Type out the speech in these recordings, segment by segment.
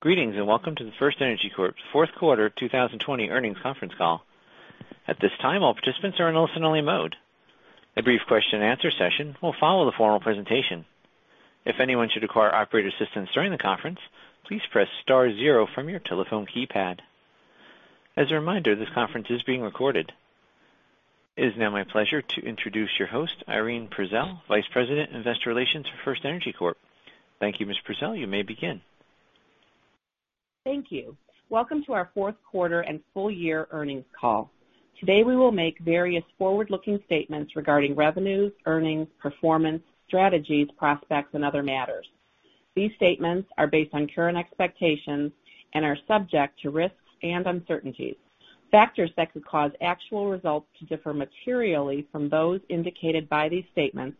Greetings, and welcome to the FirstEnergy Corp's fourth quarter 2020 earnings conference call. It is now my pleasure to introduce your host, Irene Prezelj, Vice President, Investor Relations for FirstEnergy Corp. Thank you, Ms. Prezelj. You may begin. Thank you. Welcome to our fourth quarter and full year earnings call. Today, we will make various forward-looking statements regarding revenues, earnings, performance, strategies, prospects, and other matters. These statements are based on current expectations and are subject to risks and uncertainties. Factors that could cause actual results to differ materially from those indicated by these statements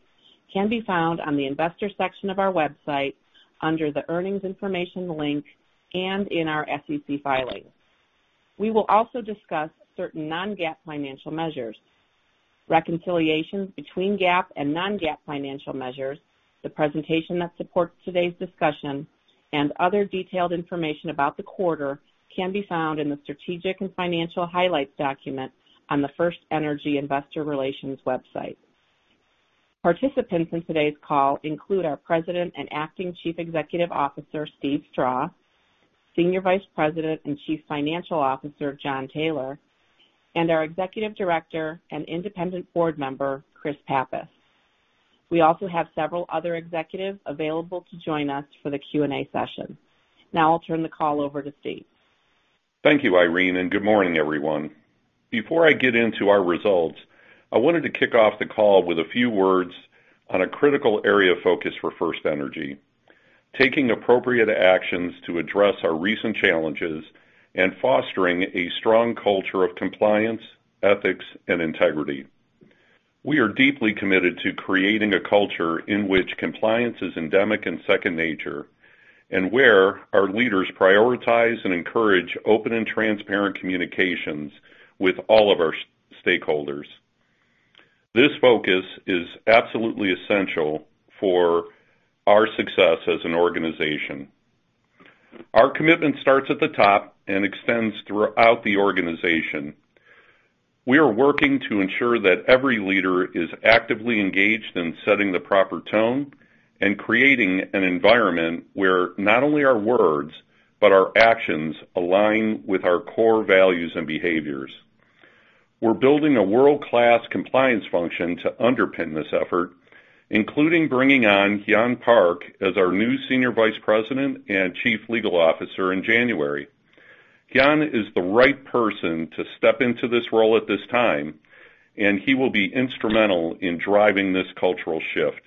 can be found on the investor section of our website under the earnings information link and in our SEC filings. We will also discuss certain non-GAAP financial measures. Reconciliations between GAAP and non-GAAP financial measures, the presentation that supports today's discussion, and other detailed information about the quarter can be found in the strategic and financial highlights document on the FirstEnergy investor relations website. Participants in today's call include our President and acting Chief Executive Officer, Steve Strah, Senior Vice President and Chief Financial Officer, Jon Taylor, and our Executive Director and independent board member, Chris Pappas. We also have several other executives available to join us for the Q&A session. Now I'll turn the call over to Steve. Thank you, Irene, and good morning, everyone. Before I get into our results, I wanted to kick off the call with a few words on a critical area of focus for FirstEnergy, taking appropriate actions to address our recent challenges and fostering a strong culture of compliance, ethics, and integrity. We are deeply committed to creating a culture in which compliance is endemic and second nature, and where our leaders prioritize and encourage open and transparent communications with all of our stakeholders. This focus is absolutely essential for our success as an organization. Our commitment starts at the top and extends throughout the organization. We are working to ensure that every leader is actively engaged in setting the proper tone and creating an environment where not only our words but our actions align with our core values and behaviors. We're building a world-class compliance function to underpin this effort, including bringing on Hyun Park as our new Senior Vice President and Chief Legal Officer in January. Hyun is the right person to step into this role at this time. He will be instrumental in driving this cultural shift.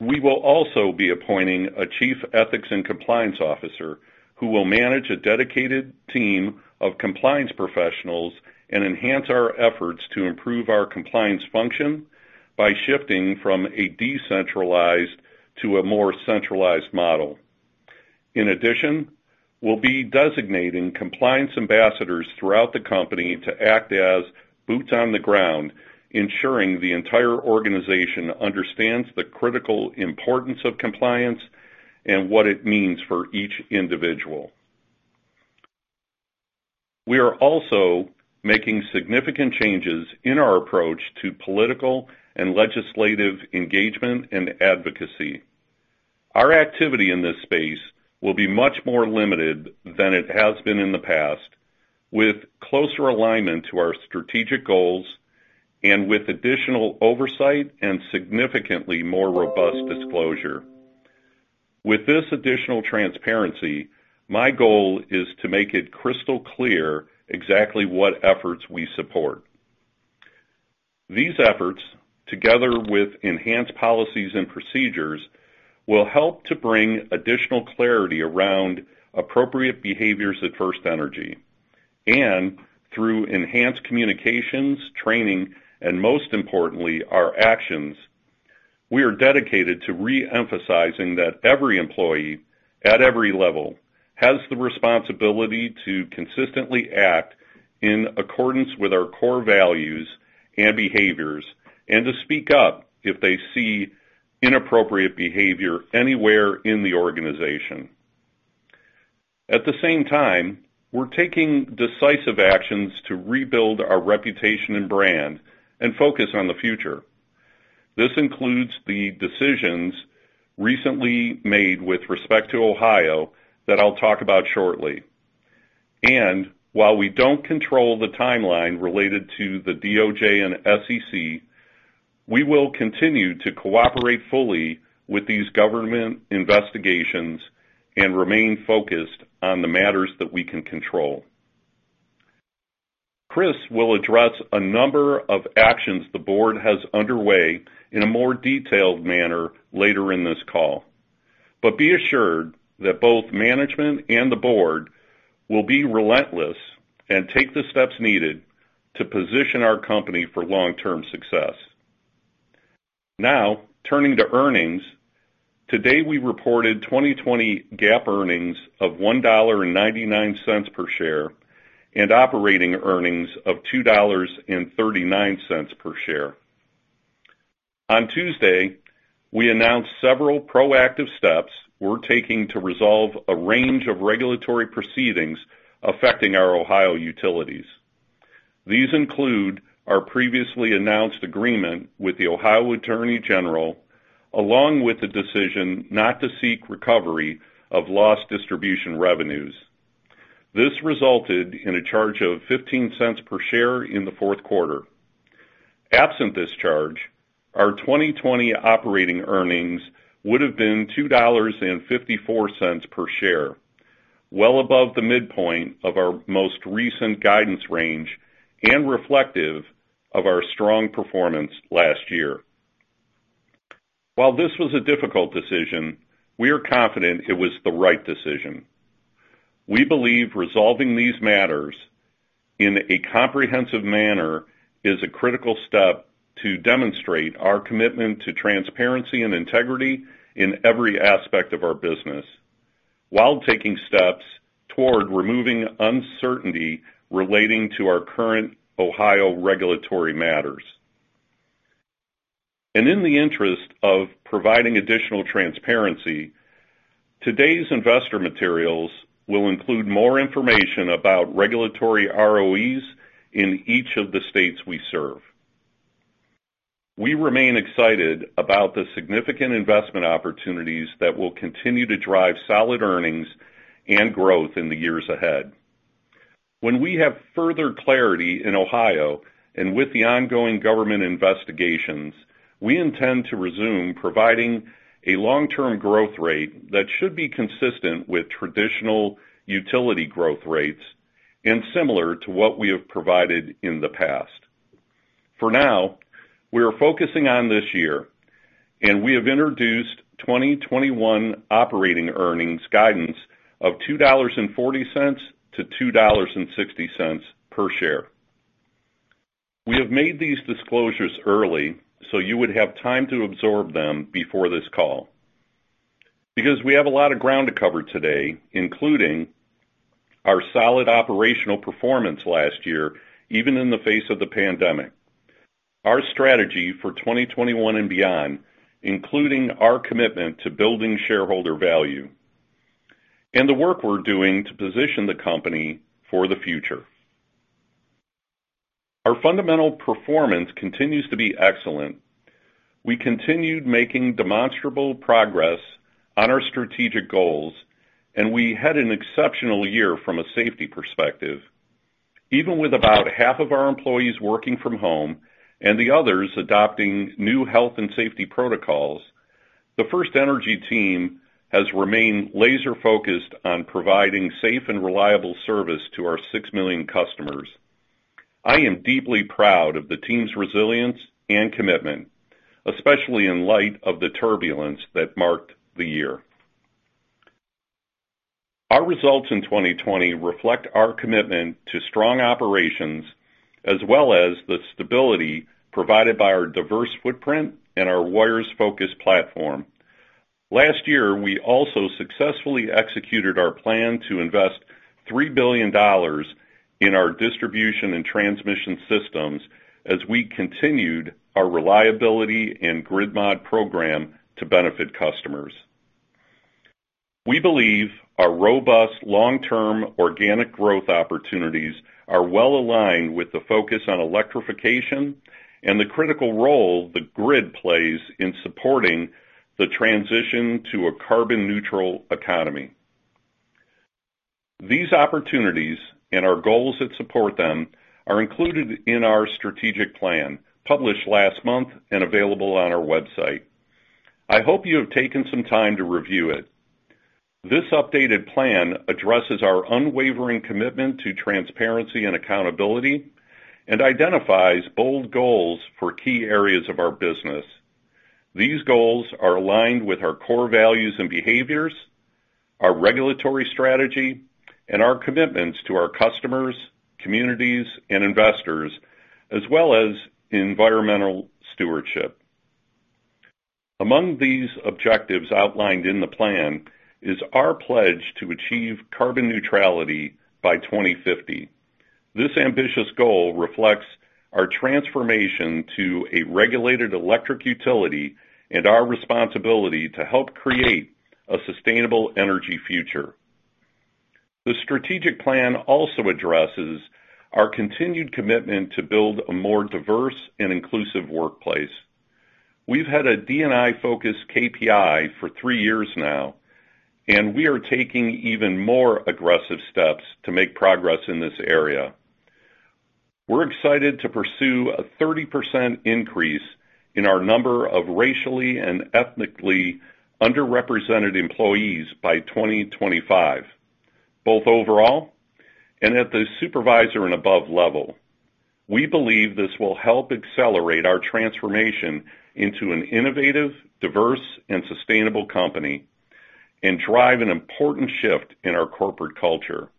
We will also be appointing a Chief Ethics and Compliance Officer who will manage a dedicated team of compliance professionals and enhance our efforts to improve our compliance function by shifting from a decentralized to a more centralized model. In addition, we'll be designating compliance ambassadors throughout the company to act as boots on the ground, ensuring the entire organization understands the critical importance of compliance and what it means for each individual. We are also making significant changes in our approach to political and legislative engagement and advocacy. Our activity in this space will be much more limited than it has been in the past, with closer alignment to our strategic goals and with additional oversight and significantly more robust disclosure. With this additional transparency, my goal is to make it crystal clear exactly what efforts we support. These efforts, together with enhanced policies and procedures, will help to bring additional clarity around appropriate behaviors at FirstEnergy. Through enhanced communications, training, and most importantly, our actions, we are dedicated to re-emphasizing that every employee at every level has the responsibility to consistently act in accordance with our core values and behaviors and to speak up if they see inappropriate behavior anywhere in the organization. At the same time, we're taking decisive actions to rebuild our reputation and brand and focus on the future. This includes the decisions recently made with respect to Ohio that I'll talk about shortly. While we don't control the timeline related to the DOJ and SEC, we will continue to cooperate fully with these government investigations and remain focused on the matters that we can control. Chris will address a number of actions the board has underway in a more detailed manner later in this call. Be assured that both management and the board will be relentless and take the steps needed to position our company for long-term success. Now, turning to earnings. Today, we reported 2020 GAAP earnings of $1.99 per share and operating earnings of $2.39 per share. On Tuesday, we announced several proactive steps we're taking to resolve a range of regulatory proceedings affecting our Ohio utilities. These include our previously announced agreement with the Ohio Attorney General, along with the decision not to seek recovery of lost distribution revenues. This resulted in a charge of $0.15 per share in the fourth quarter. Absent this charge, our 2020 operating earnings would have been $2.54 per share, well above the midpoint of our most recent guidance range and reflective of our strong performance last year. While this was a difficult decision, we are confident it was the right decision. We believe resolving these matters in a comprehensive manner is a critical step to demonstrate our commitment to transparency and integrity in every aspect of our business while taking steps toward removing uncertainty relating to our current Ohio regulatory matters. In the interest of providing additional transparency, today's investor materials will include more information about regulatory ROEs in each of the states we serve. We remain excited about the significant investment opportunities that will continue to drive solid earnings and growth in the years ahead. When we have further clarity in Ohio, and with the ongoing government investigations, we intend to resume providing a long-term growth rate that should be consistent with traditional utility growth rates and similar to what we have provided in the past. For now, we are focusing on this year and we have introduced 2021 operating earnings guidance of $2.40-$2.60 per share. We have made these disclosures early so you would have time to absorb them before this call because we have a lot of ground to cover today, including our solid operational performance last year, even in the face of the pandemic, our strategy for 2021 and beyond, including our commitment to building shareholder value, and the work we're doing to position the company for the future. Our fundamental performance continues to be excellent. We continued making demonstrable progress on our strategic goals. We had an exceptional year from a safety perspective. Even with about half of our employees working from home and the others adopting new health and safety protocols, the FirstEnergy team has remained laser-focused on providing safe and reliable service to our 6 million customers. I am deeply proud of the team's resilience and commitment, especially in light of the turbulence that marked the year. Our results in 2020 reflect our commitment to strong operations as well as the stability provided by our diverse footprint and our wires-focused platform. Last year, we also successfully executed our plan to invest $3 billion in our distribution and transmission systems as we continued our reliability and Grid Mod program to benefit customers. We believe our robust long-term organic growth opportunities are well-aligned with the focus on electrification and the critical role the grid plays in supporting the transition to a carbon-neutral economy. These opportunities and our goals that support them are included in our strategic plan published last month and available on our website. I hope you have taken some time to review it. This updated plan addresses our unwavering commitment to transparency and accountability and identifies bold goals for key areas of our business. These goals are aligned with our core values and behaviors, our regulatory strategy, and our commitments to our customers, communities, and investors, as well as environmental stewardship. Among these objectives outlined in the plan is our pledge to achieve carbon neutrality by 2050. This ambitious goal reflects our transformation to a regulated electric utility and our responsibility to help create a sustainable energy future. The strategic plan also addresses our continued commitment to build a more diverse and inclusive workplace. We've had a D&I-focused KPI for three years now, and we are taking even more aggressive steps to make progress in this area. We're excited to pursue a 30% increase in our number of racially and ethnically underrepresented employees by 2025, both overall and at the supervisor and above level. We believe this will help accelerate our transformation into an innovative, diverse, and sustainable company and drive an important shift in our corporate culture.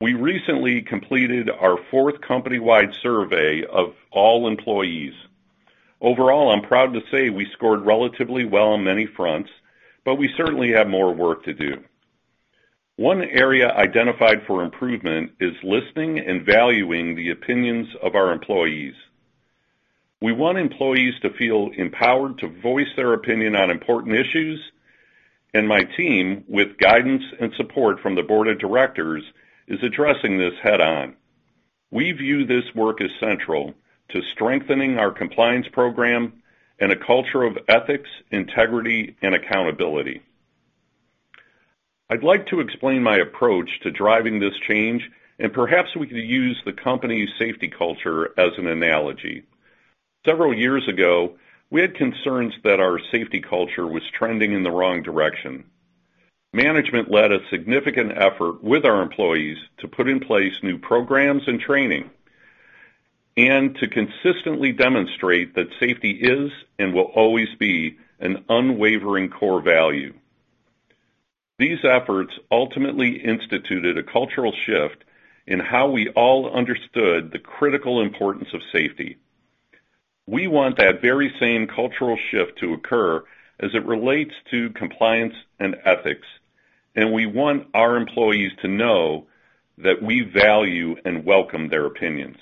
We recently completed our fourth company-wide survey of all employees. Overall, I'm proud to say we scored relatively well on many fronts, but we certainly have more work to do. One area identified for improvement is listening and valuing the opinions of our employees. We want employees to feel empowered to voice their opinion on important issues, and my team, with guidance and support from the board of directors, is addressing this head-on. We view this work as central to strengthening our compliance program and a culture of ethics, integrity, and accountability. I'd like to explain my approach to driving this change, and perhaps we could use the company's safety culture as an analogy. Several years ago, we had concerns that our safety culture was trending in the wrong direction. Management led a significant effort with our employees to put in place new programs and training and to consistently demonstrate that safety is and will always be an unwavering core value. These efforts ultimately instituted a cultural shift in how we all understood the critical importance of safety. We want that very same cultural shift to occur as it relates to compliance and ethics, and we want our employees to know that we value and welcome their opinions.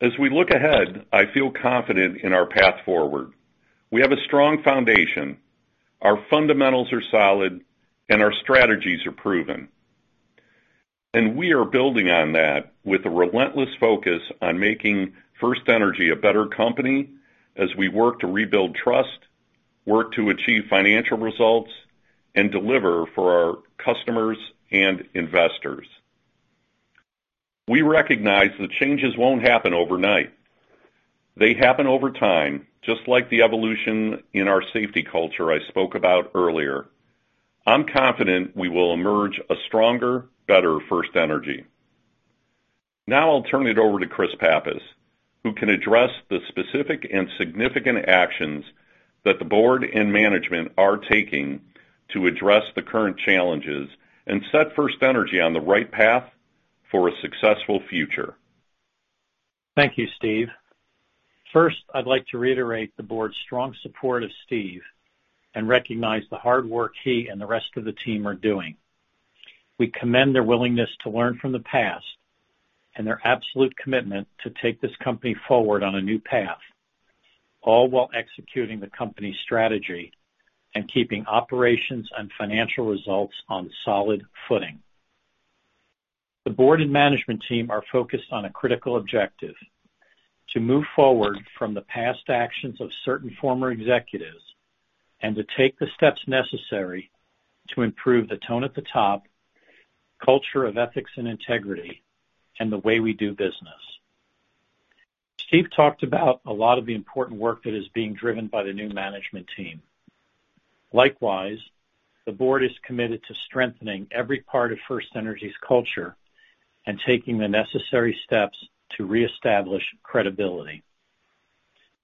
As we look ahead, I feel confident in our path forward. We have a strong foundation, our fundamentals are solid, and our strategies are proven. We are building on that with a relentless focus on making FirstEnergy a better company as we work to rebuild trust, work to achieve financial results, and deliver for our customers and investors. We recognize that changes won't happen overnight. They happen over time, just like the evolution in our safety culture I spoke about earlier. I'm confident we will emerge a stronger, better FirstEnergy. I'll turn it over to Chris Pappas, who can address the specific and significant actions that the board and management are taking to address the current challenges and set FirstEnergy on the right path for a successful future. Thank you, Steve. First, I'd like to reiterate the board's strong support of Steve and recognize the hard work he and the rest of the team are doing. We commend their willingness to learn from the past and their absolute commitment to take this company forward on a new path, all while executing the company's strategy and keeping operations and financial results on solid footing. The board and management team are focused on a critical objective to move forward from the past actions of certain former executives and to take the steps necessary to improve the tone at the top, culture of ethics and integrity, and the way we do business. Steve talked about a lot of the important work that is being driven by the new management team. Likewise, the board is committed to strengthening every part of FirstEnergy's culture and taking the necessary steps to reestablish credibility.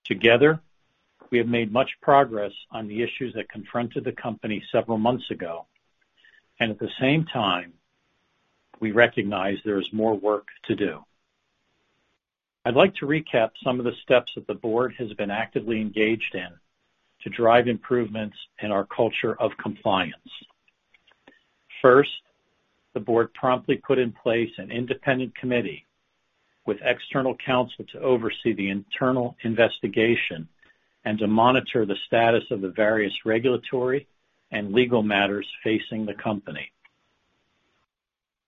Together, we have made much progress on the issues that confronted the company several months ago, and at the same time, we recognize there is more work to do. I'd like to recap some of the steps that the board has been actively engaged in to drive improvements in our culture of compliance. First, the board promptly put in place an independent committee with external counsel to oversee the internal investigation and to monitor the status of the various regulatory and legal matters facing the company.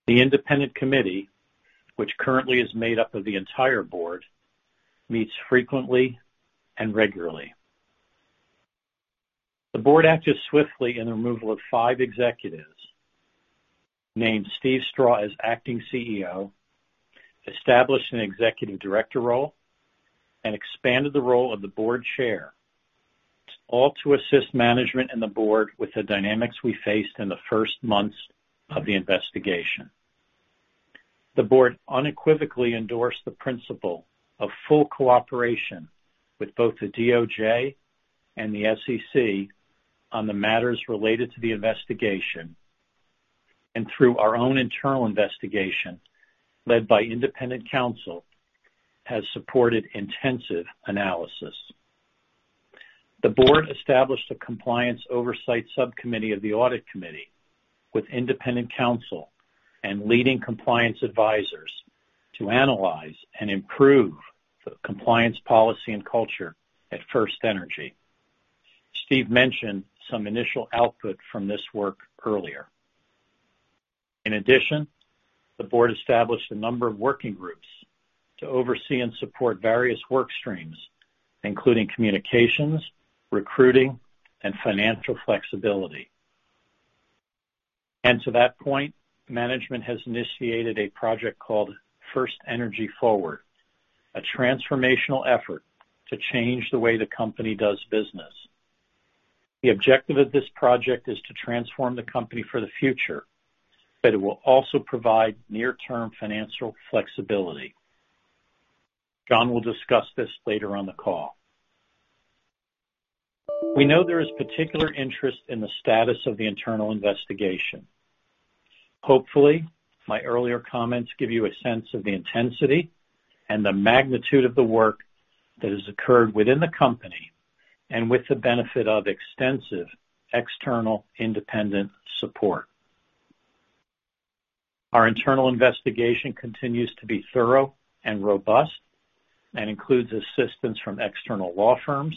The independent committee, which currently is made up of the entire board, meets frequently and regularly. The board acted swiftly in the removal of five executives, named Steve Strah as acting CEO, established an executive director role, and expanded the role of the board chair, all to assist management and the board with the dynamics we faced in the first months of the investigation. The board unequivocally endorsed the principle of full cooperation with both the DOJ and the SEC on the matters related to the investigation and through our own internal investigation, led by independent counsel, has supported intensive analysis. The board established a compliance oversight subcommittee of the audit committee with independent counsel and leading compliance advisors to analyze and improve the compliance policy and culture at FirstEnergy. Steve mentioned some initial output from this work earlier. In addition, the board established a number of working groups to oversee and support various work streams, including communications, recruiting, and financial flexibility. To that point, management has initiated a project called FirstEnergy Forward, a transformational effort to change the way the company does business. The objective of this project is to transform the company for the future, but it will also provide near-term financial flexibility. Jon will discuss this later on the call. We know there is particular interest in the status of the internal investigation. Hopefully, my earlier comments give you a sense of the intensity and the magnitude of the work that has occurred within the company and with the benefit of extensive external independent support. Our internal investigation continues to be thorough and robust and includes assistance from external law firms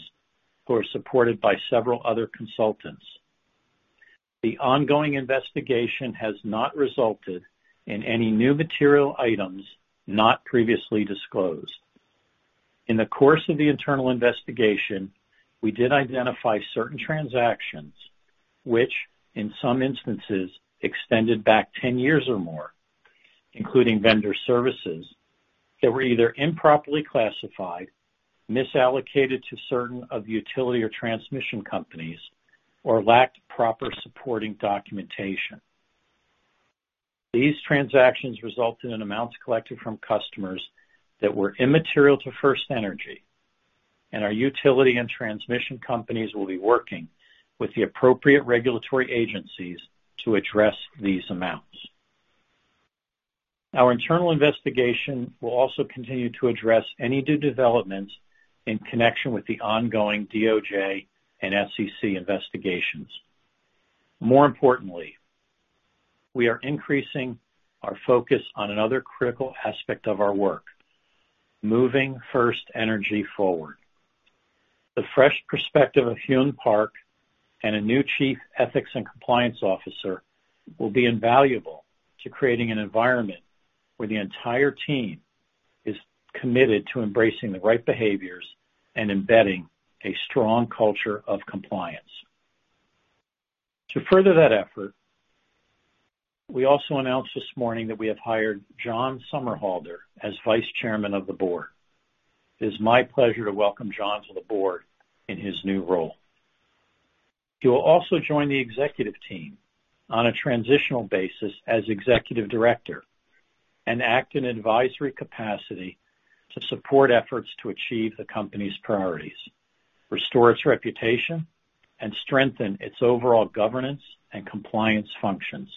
who are supported by several other consultants. The ongoing investigation has not resulted in any new material items not previously disclosed. In the course of the internal investigation, we did identify certain transactions, which in some instances extended back 10 years or more, including vendor services that were either improperly classified, misallocated to certain of utility or transmission companies, or lacked proper supporting documentation. These transactions resulted in amounts collected from customers that were immaterial to FirstEnergy, and our utility and transmission companies will be working with the appropriate regulatory agencies to address these amounts. Our internal investigation will also continue to address any new developments in connection with the ongoing DOJ and SEC investigations. More importantly, we are increasing our focus on another critical aspect of our work, moving FirstEnergy forward. The fresh perspective of Hyun Park and a new chief ethics and compliance officer will be invaluable to creating an environment where the entire team is committed to embracing the right behaviors and embedding a strong culture of compliance. To further that effort, we also announced this morning that we have hired John Somerhalder as Vice Chairman of the Board. It is my pleasure to welcome John to the board in his new role. He will also join the executive team on a transitional basis as Executive Director and act in advisory capacity to support efforts to achieve the company's priorities, restore its reputation, and strengthen its overall governance and compliance functions.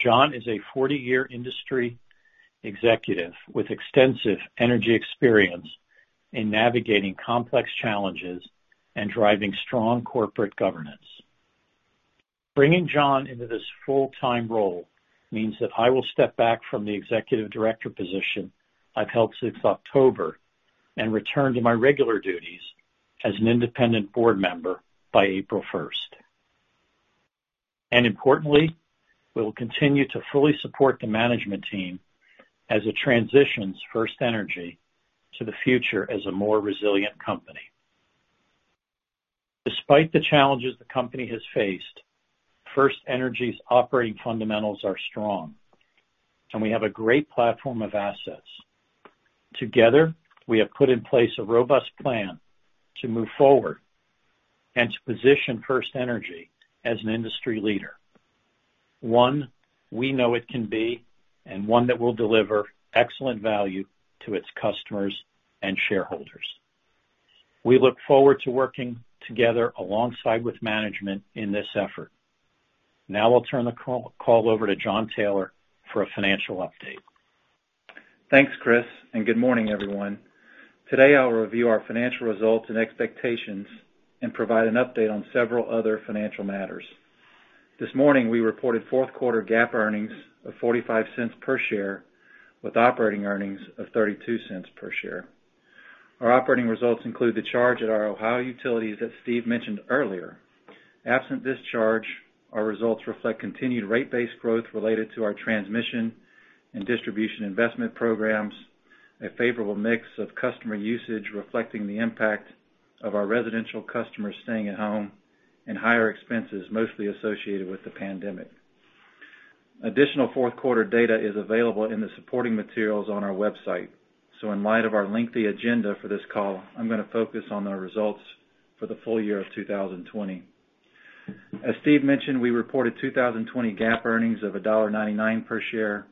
John is a 40-year industry executive with extensive energy experience in navigating complex challenges and driving strong corporate governance. Bringing John into this full-time role means that I will step back from the Executive Director position I've held since October and return to my regular duties as an Independent Board Member by April 1st. Importantly, we will continue to fully support the management team as it transitions FirstEnergy to the future as a more resilient company. Despite the challenges the company has faced, FirstEnergy's operating fundamentals are strong, and we have a great platform of assets. Together, we have put in place a robust plan to move forward and to position FirstEnergy as an industry leader, one we know it can be and one that will deliver excellent value to its customers and shareholders. We look forward to working together alongside with management in this effort. I'll turn the call over to Jon Taylor for a financial update. Thanks, Chris. Good morning, everyone. Today, I'll review our financial results and expectations and provide an update on several other financial matters. This morning, we reported fourth quarter GAAP earnings of $0.45 per share with operating earnings of $0.32 per share. Our operating results include the charge at our Ohio utilities that Steve mentioned earlier. Absent this charge, our results reflect continued rate-based growth related to our transmission and distribution investment programs, a favorable mix of customer usage reflecting the impact of our residential customers staying at home, and higher expenses mostly associated with the pandemic. Additional fourth quarter data is available in the supporting materials on our website. In light of our lengthy agenda for this call, I'm going to focus on the results for the full year of 2020. As Steve mentioned, we reported 2020 GAAP earnings of $1.99 per share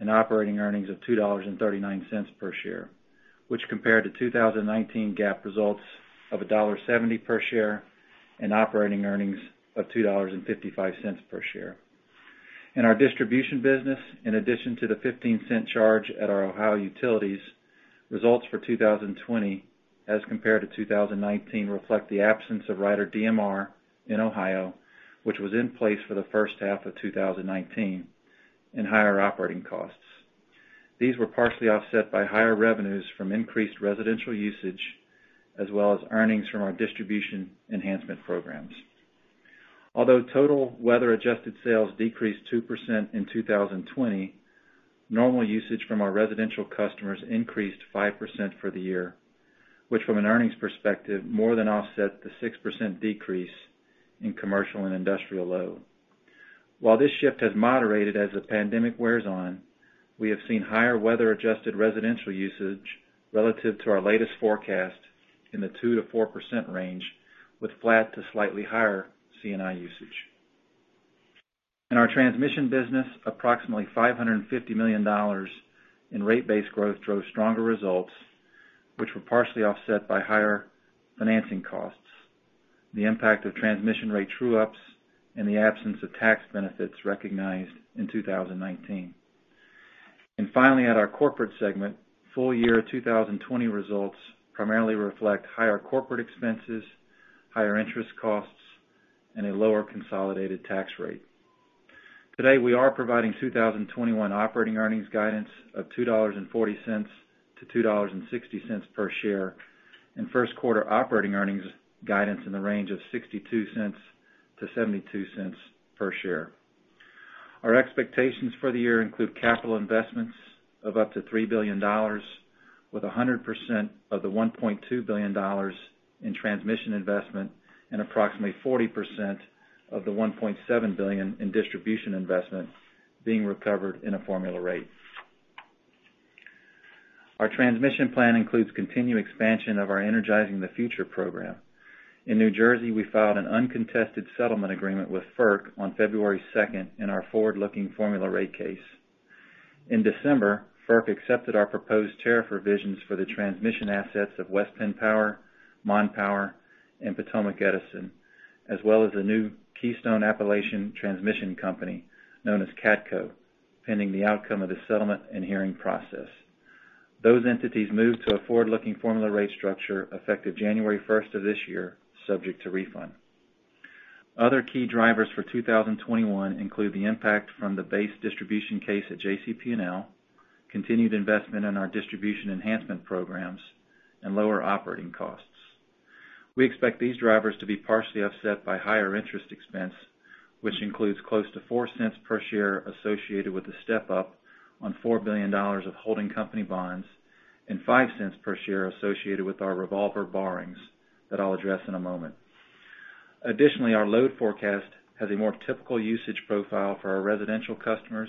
and operating earnings of $2.39 per share, which compared to 2019 GAAP results of $1.70 per share and operating earnings of $2.55 per share. In our distribution business, in addition to the $0.15 charge at our Ohio utilities, results for 2020 as compared to 2019 reflect the absence of Rider DMR in Ohio, which was in place for the first half of 2019, and higher operating costs. These were partially offset by higher revenues from increased residential usage, as well as earnings from our distribution enhancement programs. Although total weather-adjusted sales decreased 2% in 2020, normal usage from our residential customers increased 5% for the year, which from an earnings perspective, more than offset the 6% decrease in commercial and industrial load. While this shift has moderated as the pandemic wears on, we have seen higher weather-adjusted residential usage relative to our latest forecast in the 2%-4% range, with flat to slightly higher C&I usage. In our transmission business, approximately $550 million in rate base growth drove stronger results, which were partially offset by higher financing costs, the impact of transmission rate true-ups, and the absence of tax benefits recognized in 2019. Finally, at our corporate segment, full year 2020 results primarily reflect higher corporate expenses, higher interest costs, and a lower consolidated tax rate. Today, we are providing 2021 operating earnings guidance of $2.40-$2.60 per share and first quarter operating earnings guidance in the range of $0.62-$0.72 per share. Our expectations for the year include capital investments of up to $3 billion, with 100% of the $1.2 billion in transmission investment and approximately 40% of the $1.7 billion in distribution investments being recovered in a formula rate. Our transmission plan includes continued expansion of our Energizing the Future program. In New Jersey, we filed an uncontested settlement agreement with FERC on February 2nd in our forward-looking formula rate case. In December, FERC accepted our proposed tariff revisions for the transmission assets of West Penn Power, Mon Power, and Potomac Edison, as well as the new Keystone Appalachian Transmission Company, known as KATCo, pending the outcome of the settlement and hearing process. Those entities moved to a forward-looking formula rate structure effective January 1st of this year, subject to refund. Other key drivers for 2021 include the impact from the base distribution case at JCP&L, continued investment in our distribution enhancement programs, and lower operating costs. We expect these drivers to be partially offset by higher interest expense, which includes close to $0.04 per share associated with the step-up on $4 billion of holding company bonds and $0.05 per share associated with our revolver borrowings that I'll address in a moment. Additionally, our load forecast has a more typical usage profile for our residential customers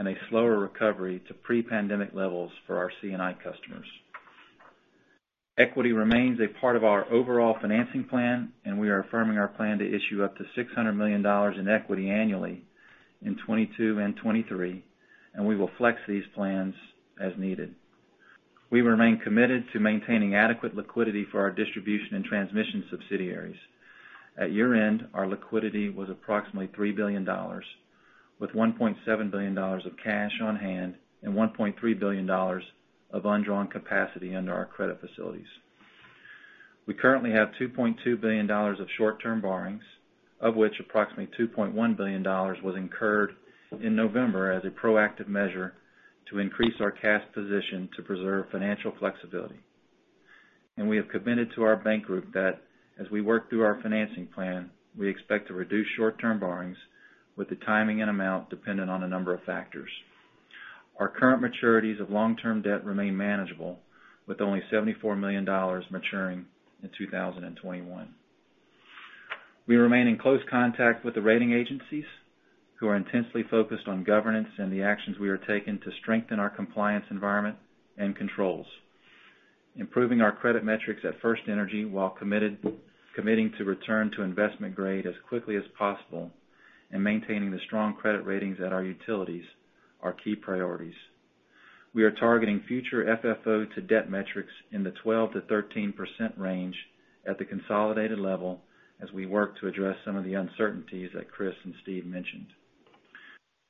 and a slower recovery to pre-pandemic levels for our C&I customers. Equity remains a part of our overall financing plan, and we are affirming our plan to issue up to $600 million in equity annually in 2022 and 2023, and we will flex these plans as needed. We remain committed to maintaining adequate liquidity for our distribution and transmission subsidiaries. At year-end, our liquidity was approximately $3 billion, with $1.7 billion of cash on hand and $1.3 billion of undrawn capacity under our credit facilities. We currently have $2.2 billion of short-term borrowings, of which approximately $2.1 billion was incurred in November as a proactive measure to increase our cash position to preserve financial flexibility. We have committed to our bank group that as we work through our financing plan, we expect to reduce short-term borrowings with the timing and amount dependent on a number of factors. Our current maturities of long-term debt remain manageable, with only $74 million maturing in 2021. We remain in close contact with the rating agencies, who are intensely focused on governance and the actions we are taking to strengthen our compliance environment and controls. Improving our credit metrics at FirstEnergy while committing to return to investment grade as quickly as possible and maintaining the strong credit ratings at our utilities are key priorities. We are targeting future FFO to debt metrics in the 12%-13% range at the consolidated level as we work to address some of the uncertainties that Chris and Steve mentioned.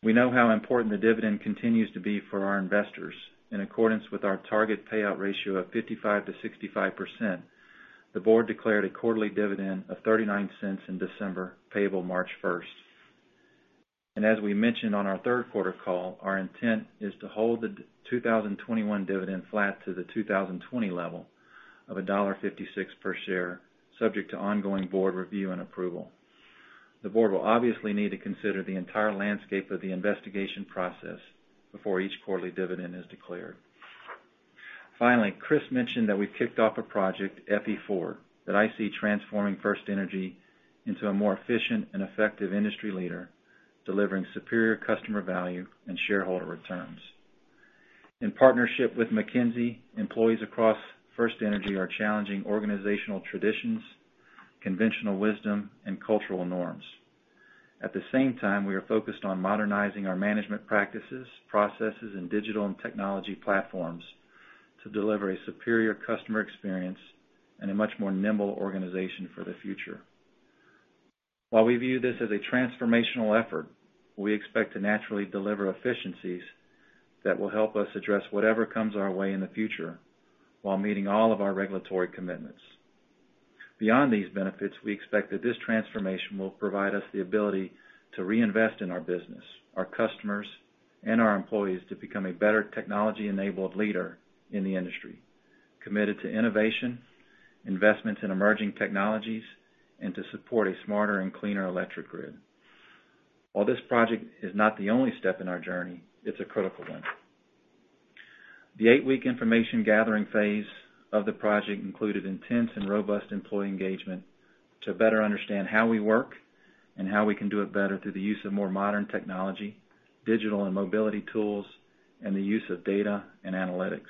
We know how important the dividend continues to be for our investors. In accordance with our target payout ratio of 55%-65%, the board declared a quarterly dividend of $0.39 in December, payable March 1st. As we mentioned on our third quarter call, our intent is to hold the 2021 dividend flat to the 2020 level of $1.56 per share, subject to ongoing board review and approval. The board will obviously need to consider the entire landscape of the investigation process before each quarterly dividend is declared. Finally, Chris mentioned that we've kicked off a project, FE Forward, that I see transforming FirstEnergy into a more efficient and effective industry leader, delivering superior customer value and shareholder returns. In partnership with McKinsey, employees across FirstEnergy are challenging organizational traditions, conventional wisdom, and cultural norms. At the same time, we are focused on modernizing our management practices, processes, and digital and technology platforms to deliver a superior customer experience and a much more nimble organization for the future. While we view this as a transformational effort, we expect to naturally deliver efficiencies that will help us address whatever comes our way in the future while meeting all of our regulatory commitments. Beyond these benefits, we expect that this transformation will provide us the ability to reinvest in our business, our customers, and our employees to become a better technology-enabled leader in the industry, committed to innovation, investments in emerging technologies, and to support a smarter and cleaner electric grid. While this project is not the only step in our journey, it's a critical one. The eight-week information gathering phase of the project included intense and robust employee engagement to better understand how we work and how we can do it better through the use of more modern technology, digital and mobility tools, and the use of data and analytics.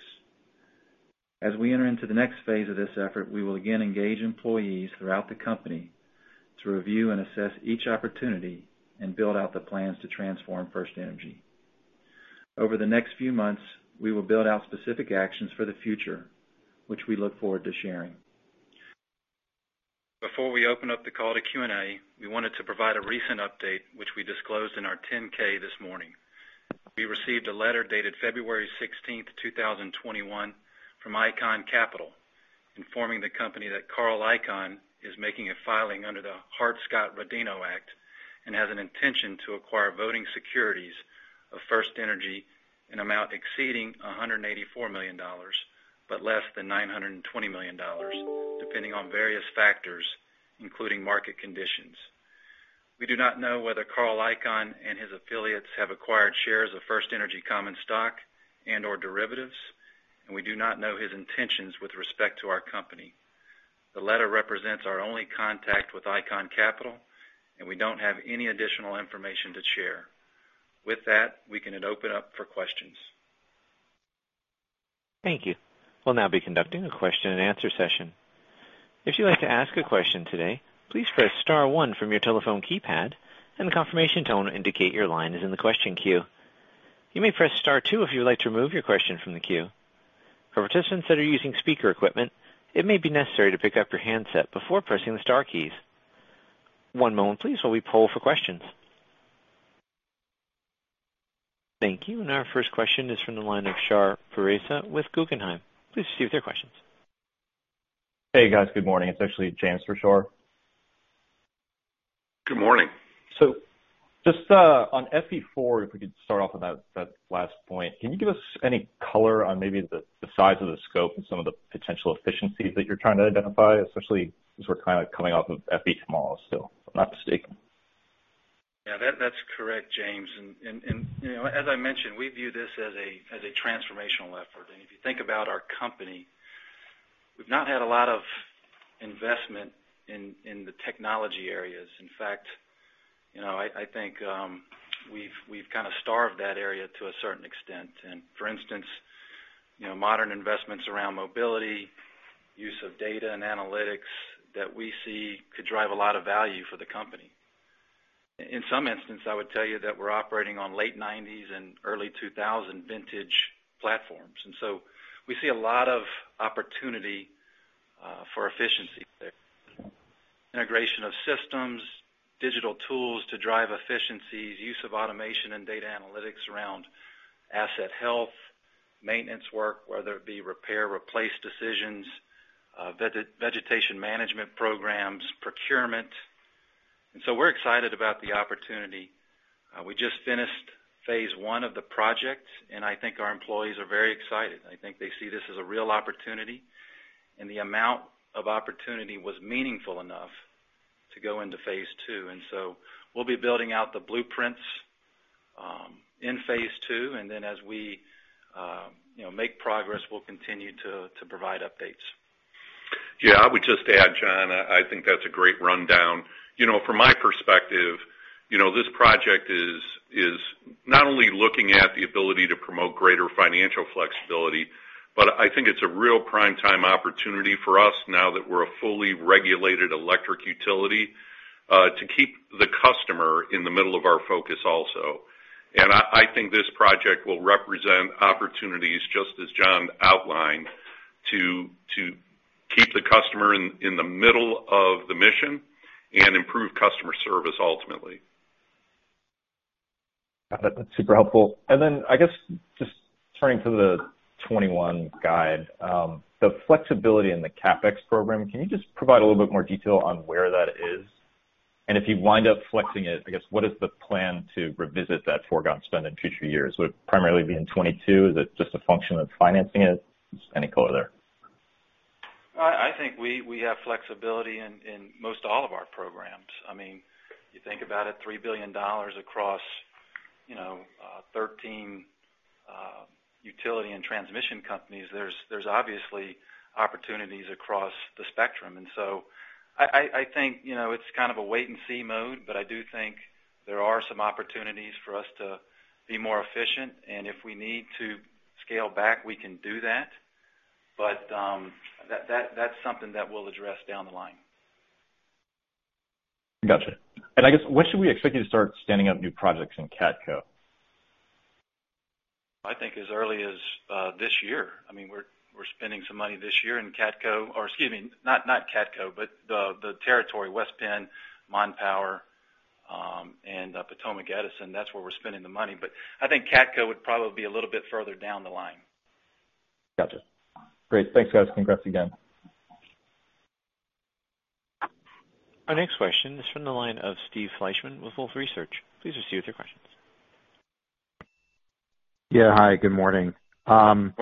As we enter into the next phase of this effort, we will again engage employees throughout the company to review and assess each opportunity and build out the plans to transform FirstEnergy. Over the next few months, we will build out specific actions for the future, which we look forward to sharing. Before we open up the call to Q&A, we wanted to provide a recent update, which we disclosed in our 10-K this morning. We received a letter dated February 16th, 2021 from Icahn Capital informing the company that Carl Icahn is making a filing under the Hart-Scott-Rodino Act and has an intention to acquire voting securities of FirstEnergy, an amount exceeding $184 million, but less than $920 million, depending on various factors, including market conditions. We do not know whether Carl Icahn and his affiliates have acquired shares of FirstEnergy common stock and/or derivatives, and we do not know his intentions with respect to our company. The letter represents our only contact with Icahn Capital, and we don't have any additional information to share. With that, we can then open up for questions. Thank you. We'll now be conducting a question and answer session. If you'd like to ask a question today, please press star one from your telephone keypad, and a confirmation tone will indicate your line is in the question queue. You may press star two if you would like to remove your question from the queue. For participants that are using speaker equipment, it may be necessary to pick up your handset before pressing the star keys. One moment please, while we poll for questions. Thank you. Our first question is from the line of Shar Pourreza with Guggenheim. Please proceed with your questions. Hey, guys. Good morning. It's actually James for Shar. Good morning. Just on FE Forward, if we could start off on that last point, can you give us any color on maybe the size of the scope and some of the potential efficiencies that you're trying to identify, especially as we're kind of coming off of FE Tomorrow still, if I'm not mistaken? Yeah, that's correct, James. As I mentioned, we view this as a transformational effort. If you think about our company, we've not had a lot of investment in the technology areas. In fact, I think we've kind of starved that area to a certain extent. For instance, modern investments around mobility, use of data and analytics that we see could drive a lot of value for the company. In some instance, I would tell you that we're operating on late '90s and early 2000 vintage platforms. We see a lot of opportunity for efficiency there. Integration of systems, digital tools to drive efficiencies, use of automation and data analytics around asset health, maintenance work, whether it be repair, replace decisions, vegetation management programs, procurement. We're excited about the opportunity. We just finished phase I of the project, and I think our employees are very excited, and I think they see this as a real opportunity, and the amount of opportunity was meaningful enough to go into phase II. We'll be building out the blueprints in phase II. As we make progress, we'll continue to provide updates. Yeah. I would just add, Jon, I think that's a great rundown. From my perspective, this project is not only looking at the ability to promote greater financial flexibility, but I think it's a real prime time opportunity for us now that we're a fully regulated electric utility to keep the customer in the middle of our focus also. I think this project will represent opportunities, just as Jon outlined, to keep the customer in the middle of the mission and improve customer service ultimately. That's super helpful. I guess, just turning to the 2021 guide. The flexibility in the CapEx program, can you just provide a little bit more detail on where that is? If you wind up flexing it, I guess, what is the plan to revisit that foregone spend in future years? Would it primarily be in 2022? Is it just a function of financing it? Just any color there. I think we have flexibility in most all of our programs. You think about it, $3 billion across 13 utility and transmission companies. There's obviously opportunities across the spectrum. I think it's kind of a wait-and-see mode. I do think there are some opportunities for us to be more efficient. If we need to scale back, we can do that. That's something that we'll address down the line. Gotcha. I guess, when should we expect you to start standing up new projects in KATCo? I think as early as this year. We're spending some money this year in KATCo or, excuse me, not KATCo, but the territory, West Penn, Mon Power, and Potomac Edison. That's where we're spending the money. I think KATCo would probably be a little bit further down the line. Gotcha. Great. Thanks, guys. Congrats again. Our next question is from the line of Steve Fleishman with Wolfe Research. Please proceed with your questions. Yeah. Hi, good morning. Morning.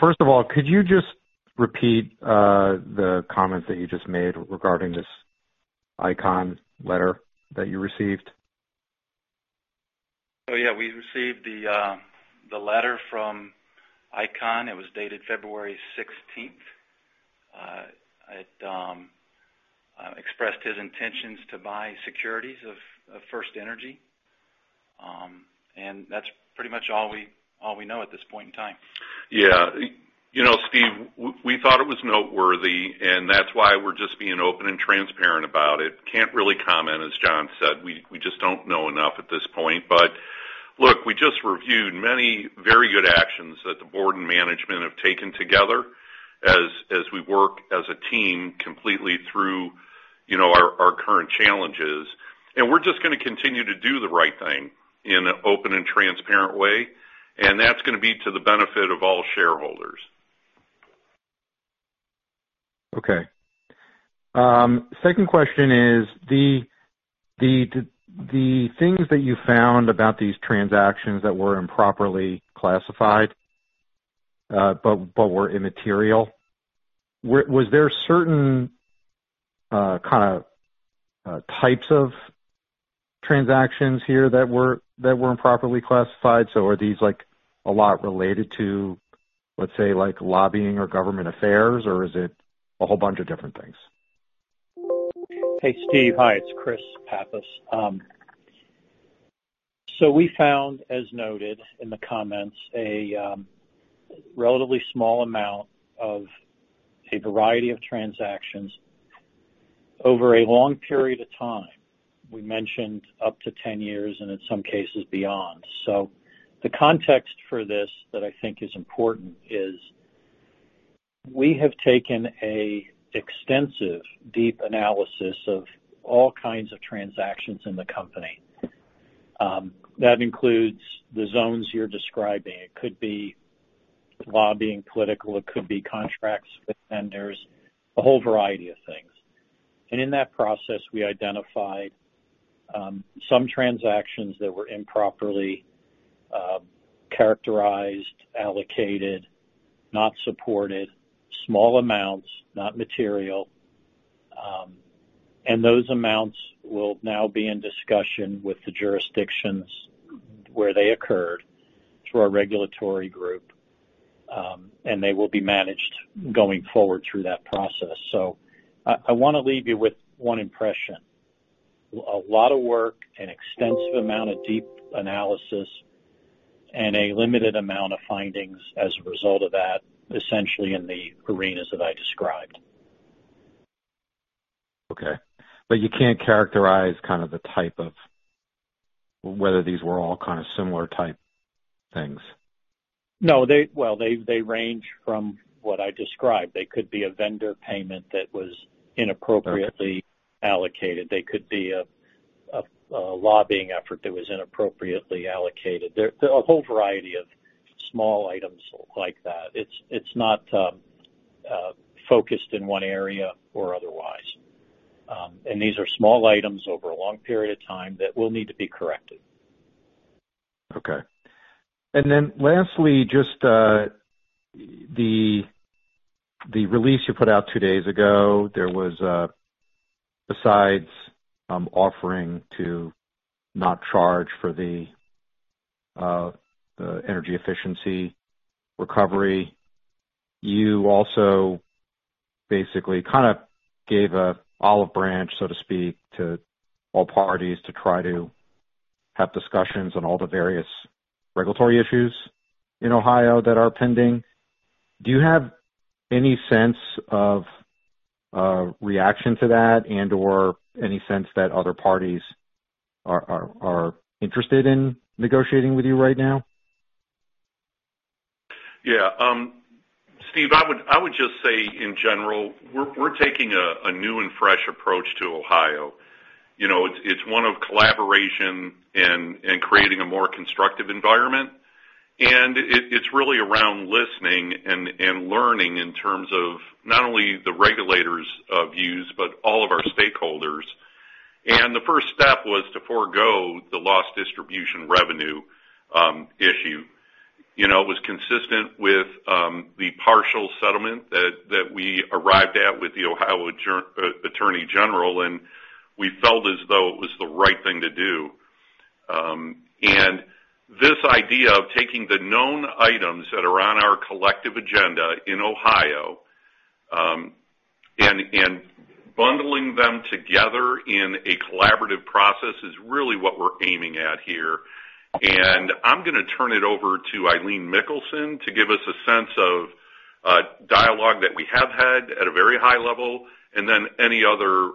First of all, could you just repeat the comment that you just made regarding this Icahn letter that you received? Oh, yeah. We received the letter from Icahn. It was dated February 16th. It expressed his intentions to buy securities of FirstEnergy. That's pretty much all we know at this point in time. Yeah. Steve, we thought it was noteworthy, and that's why we're just being open and transparent about it. Can't really comment, as Jon said. We just don't know enough at this point. Look, we just reviewed many very good actions that the board and management have taken together as we work as a team completely through our current challenges. We're just going to continue to do the right thing in an open and transparent way, and that's going to be to the benefit of all shareholders. Okay. Second question is, the things that you found about these transactions that were improperly classified, but were immaterial, was there certain types of transactions here that were improperly classified? Are these a lot related to, let's say, lobbying or government affairs, or is it a whole bunch of different things? Hey, Steve. Hi, it's Chris Pappas. We found, as noted in the comments, a relatively small amount of a variety of transactions over a long period of time. We mentioned up to 10 years and in some cases beyond. The context for this that I think is important is we have taken a extensive, deep analysis of all kinds of transactions in the company. That includes the zones you're describing. It could be lobbying political, it could be contracts with vendors, a whole variety of things. In that process, we identified some transactions that were improperly characterized, allocated, not supported, small amounts, not material. Those amounts will now be in discussion with the jurisdictions where they occurred through our regulatory group, and they will be managed going forward through that process. I want to leave you with one impression. A lot of work, an extensive amount of deep analysis, and a limited amount of findings as a result of that, essentially in the arenas that I described. Okay. You can't characterize the type of whether these were all kind of similar type things. No, they range from what I described. They could be a vendor payment that was inappropriately allocated. They could be a lobbying effort that was inappropriately allocated. There are a whole variety of small items like that. It's not focused in one area or otherwise. These are small items over a long period of time that will need to be corrected. Okay. Lastly, just the release you put out two days ago. There was, besides offering to not charge for the energy efficiency recovery, you also basically gave an olive branch, so to speak, to all parties to try to have discussions on all the various regulatory issues in Ohio that are pending. Do you have any sense of reaction to that and/or any sense that other parties are interested in negotiating with you right now? Steve, I would just say in general, we're taking a new and fresh approach to Ohio. It's one of collaboration and creating a more constructive environment. It's really around listening and learning in terms of not only the regulators' views, but all of our stakeholders. The first step was to forego the lost distribution revenue issue. It was consistent with the partial settlement that we arrived at with the Ohio Attorney General, and we felt as though it was the right thing to do. This idea of taking the known items that are on our collective agenda in Ohio, and bundling them together in a collaborative process is really what we're aiming at here. I'm going to turn it over to Eileen Mikkelsen to give us a sense of dialogue that we have had at a very high level, and then any other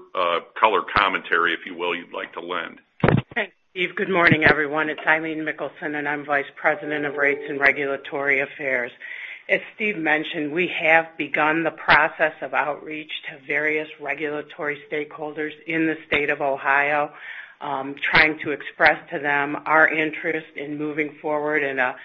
color commentary, if you will, you'd like to lend. Thanks, Steve. Good morning, everyone. It's Eileen Mikkelsen, and I'm Vice President of Rates and Regulatory Affairs. As Steve mentioned, we have begun the process of outreach to various regulatory stakeholders in the state of Ohio, trying to express to them our interest in moving forward in a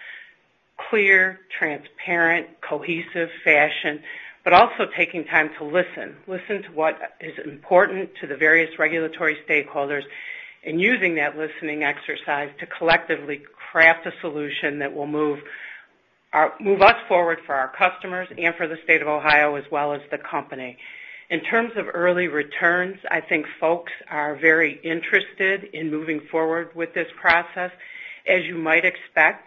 clear, transparent, cohesive fashion, but also taking time to listen. Listen to what is important to the various regulatory stakeholders, and using that listening exercise to collectively craft a solution that will move us forward for our customers and for the state of Ohio, as well as the company. In terms of early returns, I think folks are very interested in moving forward with this process. As you might expect,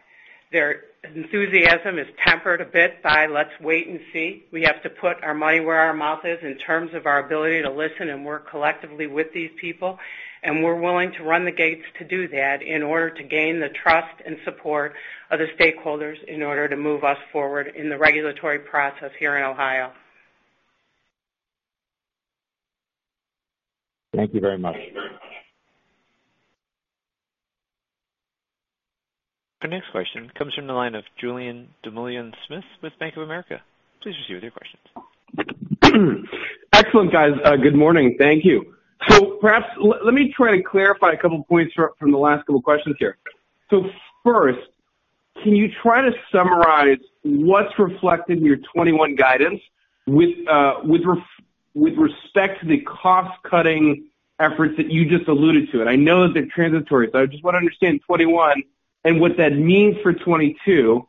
their enthusiasm is tempered a bit by let's wait and see. We have to put our money where our mouth is in terms of our ability to listen and work collectively with these people. We're willing to run the gates to do that in order to gain the trust and support of the stakeholders in order to move us forward in the regulatory process here in Ohio. Thank you very much. Our next question comes from the line of Julien Dumoulin-Smith with Bank of America. Please proceed with your questions. Excellent, guys. Good morning. Thank you. Perhaps let me try to clarify a couple points from the last couple questions here. First, can you try to summarize what's reflected in your 2021 guidance with respect to the cost-cutting efforts that you just alluded to? I know that they're transitory, so I just want to understand 2021 and what that means for 2022.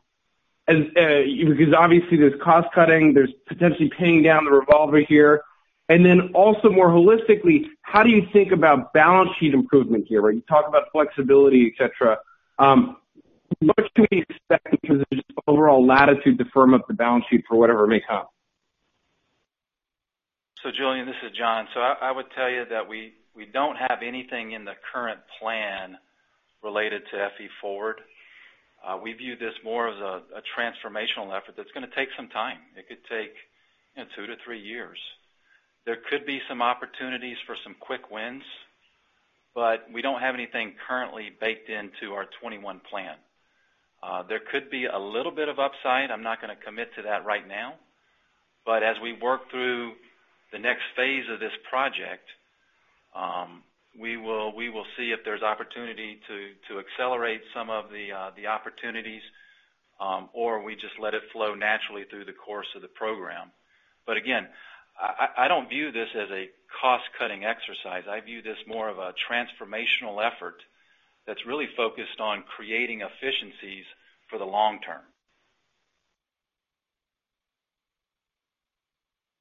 Obviously, there's cost-cutting, there's potentially paying down the revolver here. Then also more holistically, how do you think about balance sheet improvement here? You talk about flexibility, et cetera. What can we expect in terms of just overall latitude to firm up the balance sheet for whatever may come? Julien, this is Jon. I would tell you that we don't have anything in the current plan related to FE Forward. We view this more as a transformational effort that's going to take some time. It could take two to three years. There could be some opportunities for some quick wins, but we don't have anything currently baked into our 2021 plan. There could be a little bit of upside. I'm not going to commit to that right now. As we work through the next phase of this project, we will see if there's opportunity to accelerate some of the opportunities, or we just let it flow naturally through the course of the program. Again, I don't view this as a cost-cutting exercise. I view this more of a transformational effort that's really focused on creating efficiencies for the long term.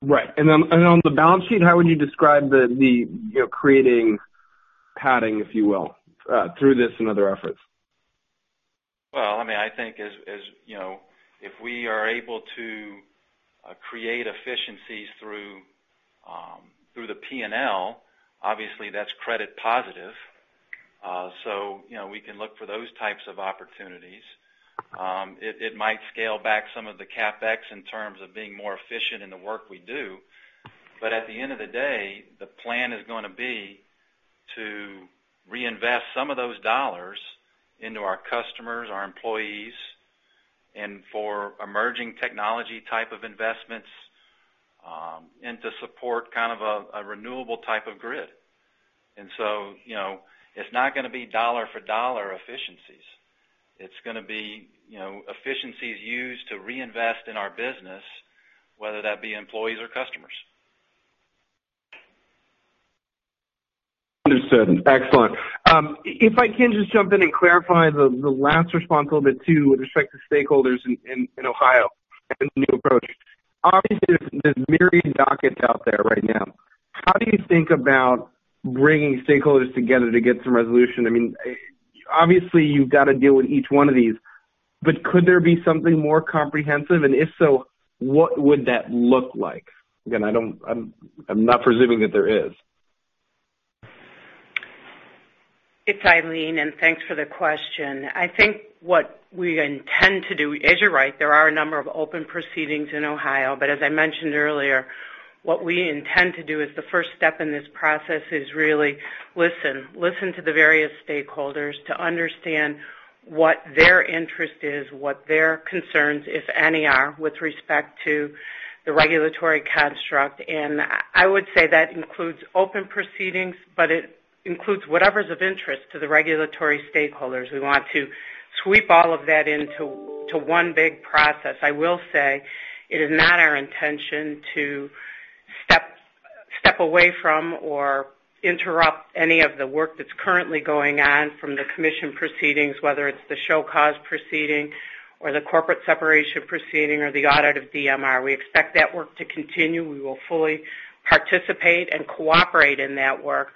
Right. On the balance sheet, how would you describe creating padding, if you will, through this and other efforts? I think if we are able to create efficiencies through the P&L, obviously that's credit positive. We can look for those types of opportunities. It might scale back some of the CapEx in terms of being more efficient in the work we do. At the end of the day, the plan is going to be to reinvest some of those dollars into our customers, our employees, and for emerging technology type of investments, and to support kind of a renewable type of grid. It's not going to be dollar for dollar efficiencies. It's going to be efficiencies used to reinvest in our business, whether that be employees or customers. Understood. Excellent. If I can just jump in and clarify the last response a little bit too, with respect to stakeholders in Ohio and the new approach. There's myriad dockets out there right now. How do you think about bringing stakeholders together to get some resolution? You've got to deal with each one of these, could there be something more comprehensive? If so, what would that look like? Again, I'm not presuming that there is. It's Eileen, thanks for the question. I think what we intend to do, as you're right, there are a number of open proceedings in Ohio. As I mentioned earlier, what we intend to do as the first step in this process is really listen. Listen to the various stakeholders to understand what their interest is, what their concerns, if any, are with respect to the regulatory construct. I would say that includes open proceedings, but it includes whatever's of interest to the regulatory stakeholders. We want to sweep all of that into one big process. I will say it is not our intention to step away from or interrupt any of the work that's currently going on from the commission proceedings, whether it's the show cause proceeding or the corporate separation proceeding or the audit of DMR. We expect that work to continue. We will fully participate and cooperate in that work.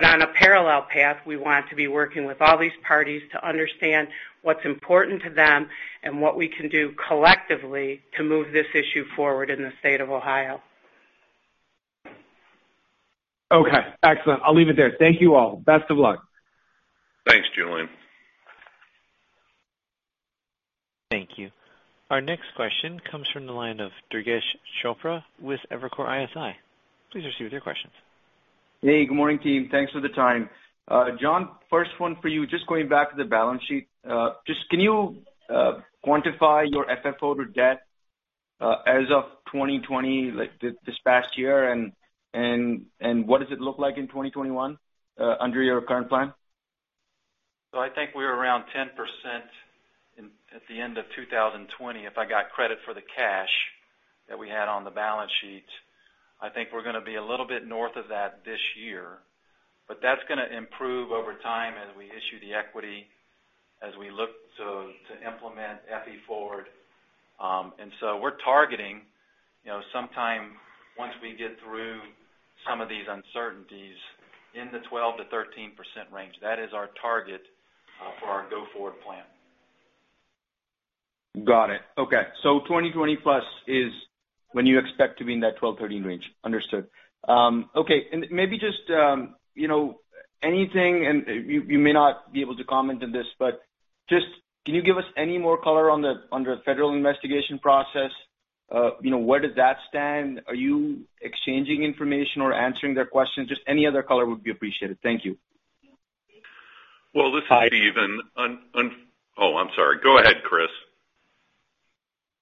On a parallel path, we want to be working with all these parties to understand what's important to them and what we can do collectively to move this issue forward in the state of Ohio. Okay. Excellent. I'll leave it there. Thank you all. Best of luck. Thanks, Julien. Thank you. Our next question comes from the line of Durgesh Chopra with Evercore ISI. Please proceed with your questions. Hey, good morning, team. Thanks for the time. Jon, first one for you. Just going back to the balance sheet. Can you quantify your FFO to debt as of 2020, this past year, and what does it look like in 2021 under your current plan? I think we're around 10% at the end of 2020, if I got credit for the cash that we had on the balance sheet. I think we're going to be a little bit north of that this year. That's going to improve over time as we issue the equity, as we look to implement FE Forward. We're targeting sometime once we get through some of these uncertainties in the 12%-13% range. That is our target for our go-forward plan. Got it. Okay. 2020 plus is when you expect to be in that 12-13 range. Understood. Okay. Maybe just anything, and you may not be able to comment on this, but. Just, can you give us any more color on the federal investigation process? Where does that stand? Are you exchanging information or answering their questions? Just any other color would be appreciated. Thank you. Well, this is Steve. Oh, I'm sorry. Go ahead, Chris.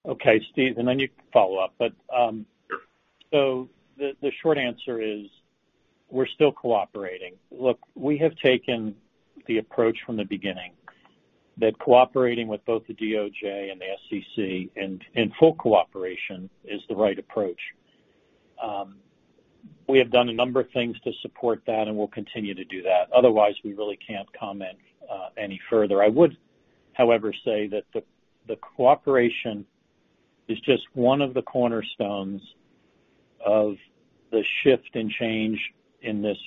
Okay, Steve, and then you can follow up. Sure. The short answer is we're still cooperating. Look, we have taken the approach from the beginning that cooperating with both the DOJ and the SEC, and in full cooperation is the right approach. We have done a number of things to support that, and we'll continue to do that. Otherwise, we really can't comment any further. I would, however, say that the cooperation is just one of the cornerstones of the shift and change in this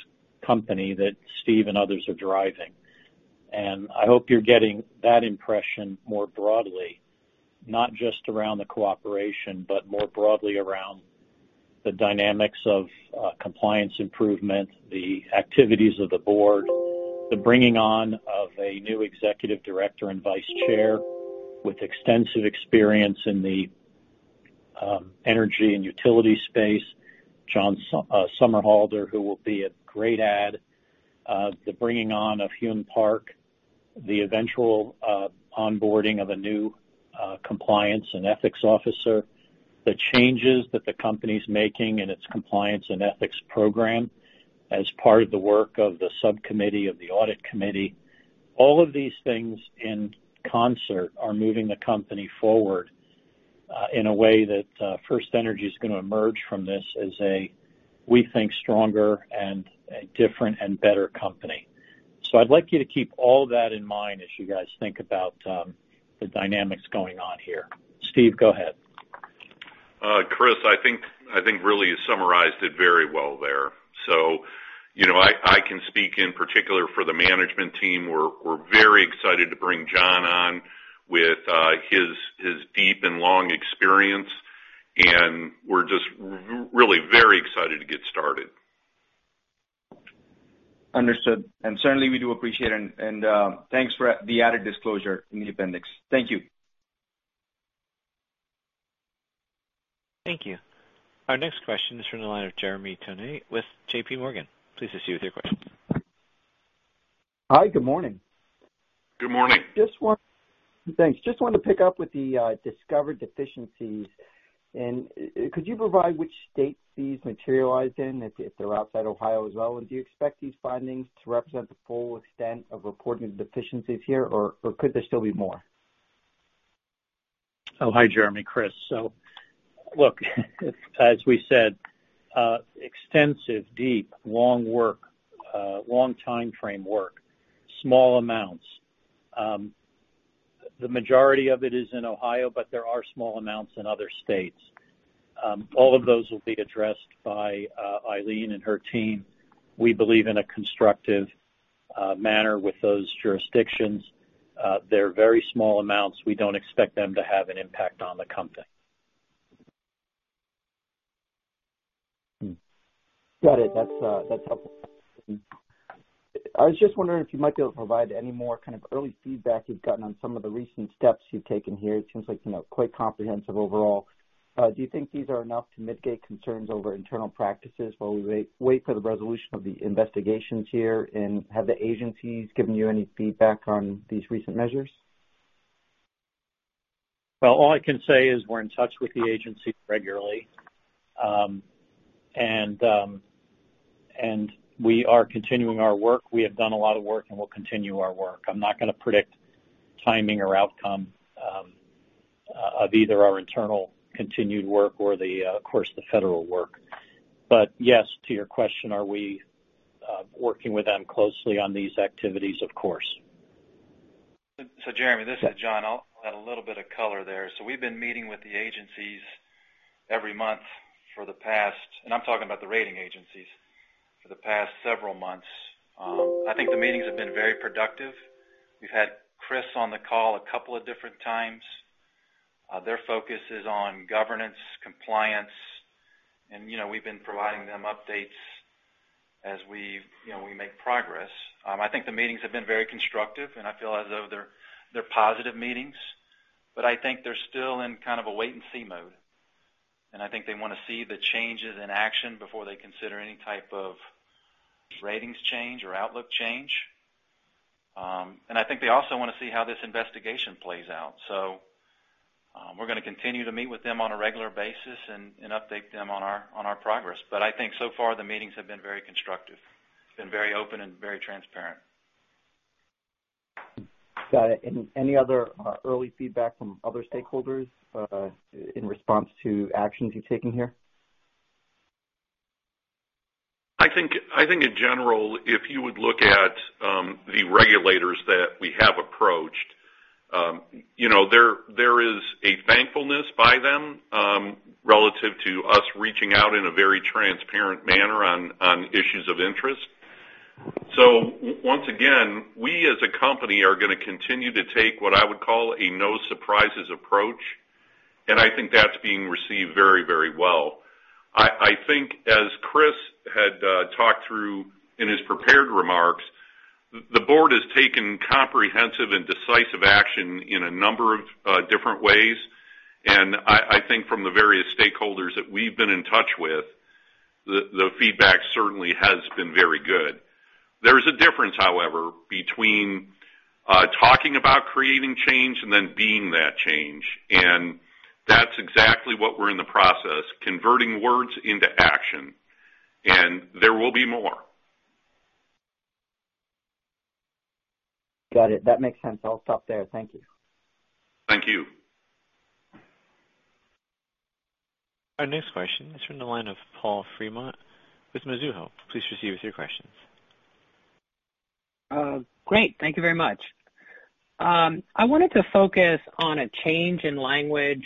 company that Steve and others are driving. I hope you're getting that impression more broadly, not just around the cooperation, but more broadly around the dynamics of compliance improvement, the activities of the board, the bringing on of a new executive director and vice chair with extensive experience in the energy and utility space, John Somerhalder, who will be a great add. The bringing on of Hyun Park. The eventual onboarding of a new compliance and ethics officer. The changes that the company's making in its compliance and ethics program as part of the work of the subcommittee of the audit committee. All of these things in concert are moving the company forward, in a way that FirstEnergy is going to emerge from this as a, we think, stronger and a different and better company. I'd like you to keep all of that in mind as you guys think about the dynamics going on here. Steve, go ahead. Chris, I think really you summarized it very well there. I can speak in particular for the management team. We're very excited to bring John on with his deep and long experience. We're just really very excited to get started. Understood. Certainly, we do appreciate it. Thanks for the added disclosure in the appendix. Thank you. Thank you. Our next question is from the line of Jeremy Tonet with JPMorgan. Please proceed with your question. Hi. Good morning. Good morning. Thanks. Just wanted to pick up with the discovered deficiencies. Could you provide which states these materialized in, if they're outside Ohio as well? Do you expect these findings to represent the full extent of reported deficiencies here, or could there still be more? Hi, Jeremy. Chris. Look as we said, extensive, deep, long work, long timeframe work, small amounts. The majority of it is in Ohio, but there are small amounts in other states. All of those will be addressed by Eileen and her team, we believe, in a constructive manner with those jurisdictions. They're very small amounts. We don't expect them to have an impact on the company. Got it. That's helpful. I was just wondering if you might be able to provide any more kind of early feedback you've gotten on some of the recent steps you've taken here. It seems like quite comprehensive overall. Do you think these are enough to mitigate concerns over internal practices while we wait for the resolution of the investigations here? Have the agencies given you any feedback on these recent measures? Well, all I can say is we're in touch with the agency regularly. We are continuing our work. We have done a lot of work, and we'll continue our work. I'm not going to predict timing or outcome of either our internal continued work or, of course, the federal work. Yes, to your question, are we working with them closely on these activities? Of course. Jeremy, this is Jon. I'll add a little bit of color there. We've been meeting with the agencies every month for the past, and I'm talking about the rating agencies, for the past several months. I think the meetings have been very productive. We've had Chris on the call a couple of different times. Their focus is on governance, compliance, and we've been providing them updates as we make progress. I think the meetings have been very constructive, and I feel as though they're positive meetings. I think they're still in kind of a wait-and-see mode, and I think they want to see the changes in action before they consider any type of ratings change or outlook change. I think they also want to see how this investigation plays out. We're going to continue to meet with them on a regular basis and update them on our progress. I think so far the meetings have been very constructive, been very open and very transparent. Got it. Any other early feedback from other stakeholders in response to actions you're taking here? I think in general, if you would look at the regulators that we have approached, there is a thankfulness by them relative to us reaching out in a very transparent manner on issues of interest. Once again, we as a company are going to continue to take what I would call a no surprises approach. I think that's being received very, very well. I think as Chris had talked through in his prepared remarks, the board has taken comprehensive and decisive action in a number of different ways. I think from the various stakeholders that we've been in touch with, the feedback certainly has been very good. There's a difference, however, between talking about creating change and then being that change. That's exactly what we're in the process, converting words into action. There will be more. Got it. That makes sense. I'll stop there. Thank you. Thank you. Our next question is from the line of Paul Fremont with Mizuho. Please proceed with your questions. Great. Thank you very much. I wanted to focus on a change in language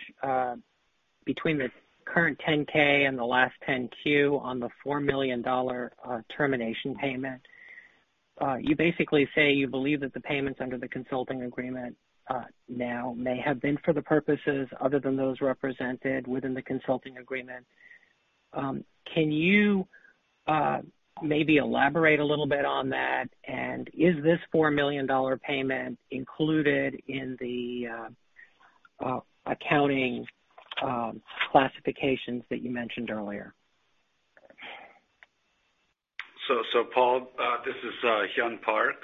between the current 10-K and the last 10-Q on the $4 million termination payment. You basically say you believe that the payments under the consulting agreement now may have been for the purposes other than those represented within the consulting agreement. Can you maybe elaborate a little bit on that? Is this $4 million payment included in the accounting classifications that you mentioned earlier? Paul, this is Hyun Park,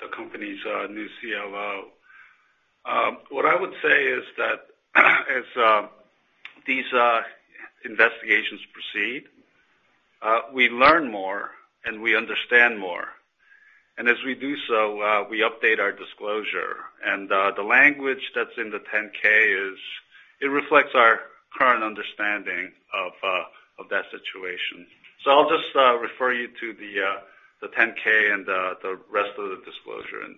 the company's new CLO. What I would say is that as these investigations proceed, we learn more, and we understand more. As we do so, we update our disclosure. The language that's in the 10-K, it reflects our current understanding of that situation. I'll just refer you to the 10-K and the rest of the disclosure in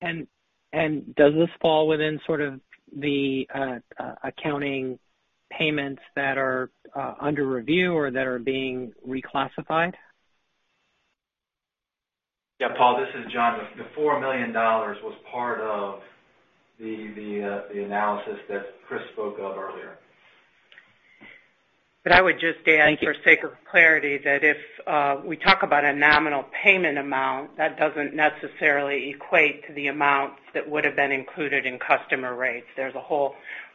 there. Does this fall within sort of the accounting payments that are under review or that are being reclassified? Yeah, Paul, this is Jon. The $4 million was part of the analysis that Chris spoke of earlier. But I would just add- Thank you. For sake of clarity, that if we talk about a nominal payment amount, that doesn't necessarily equate to the amounts that would've been included in customer rates.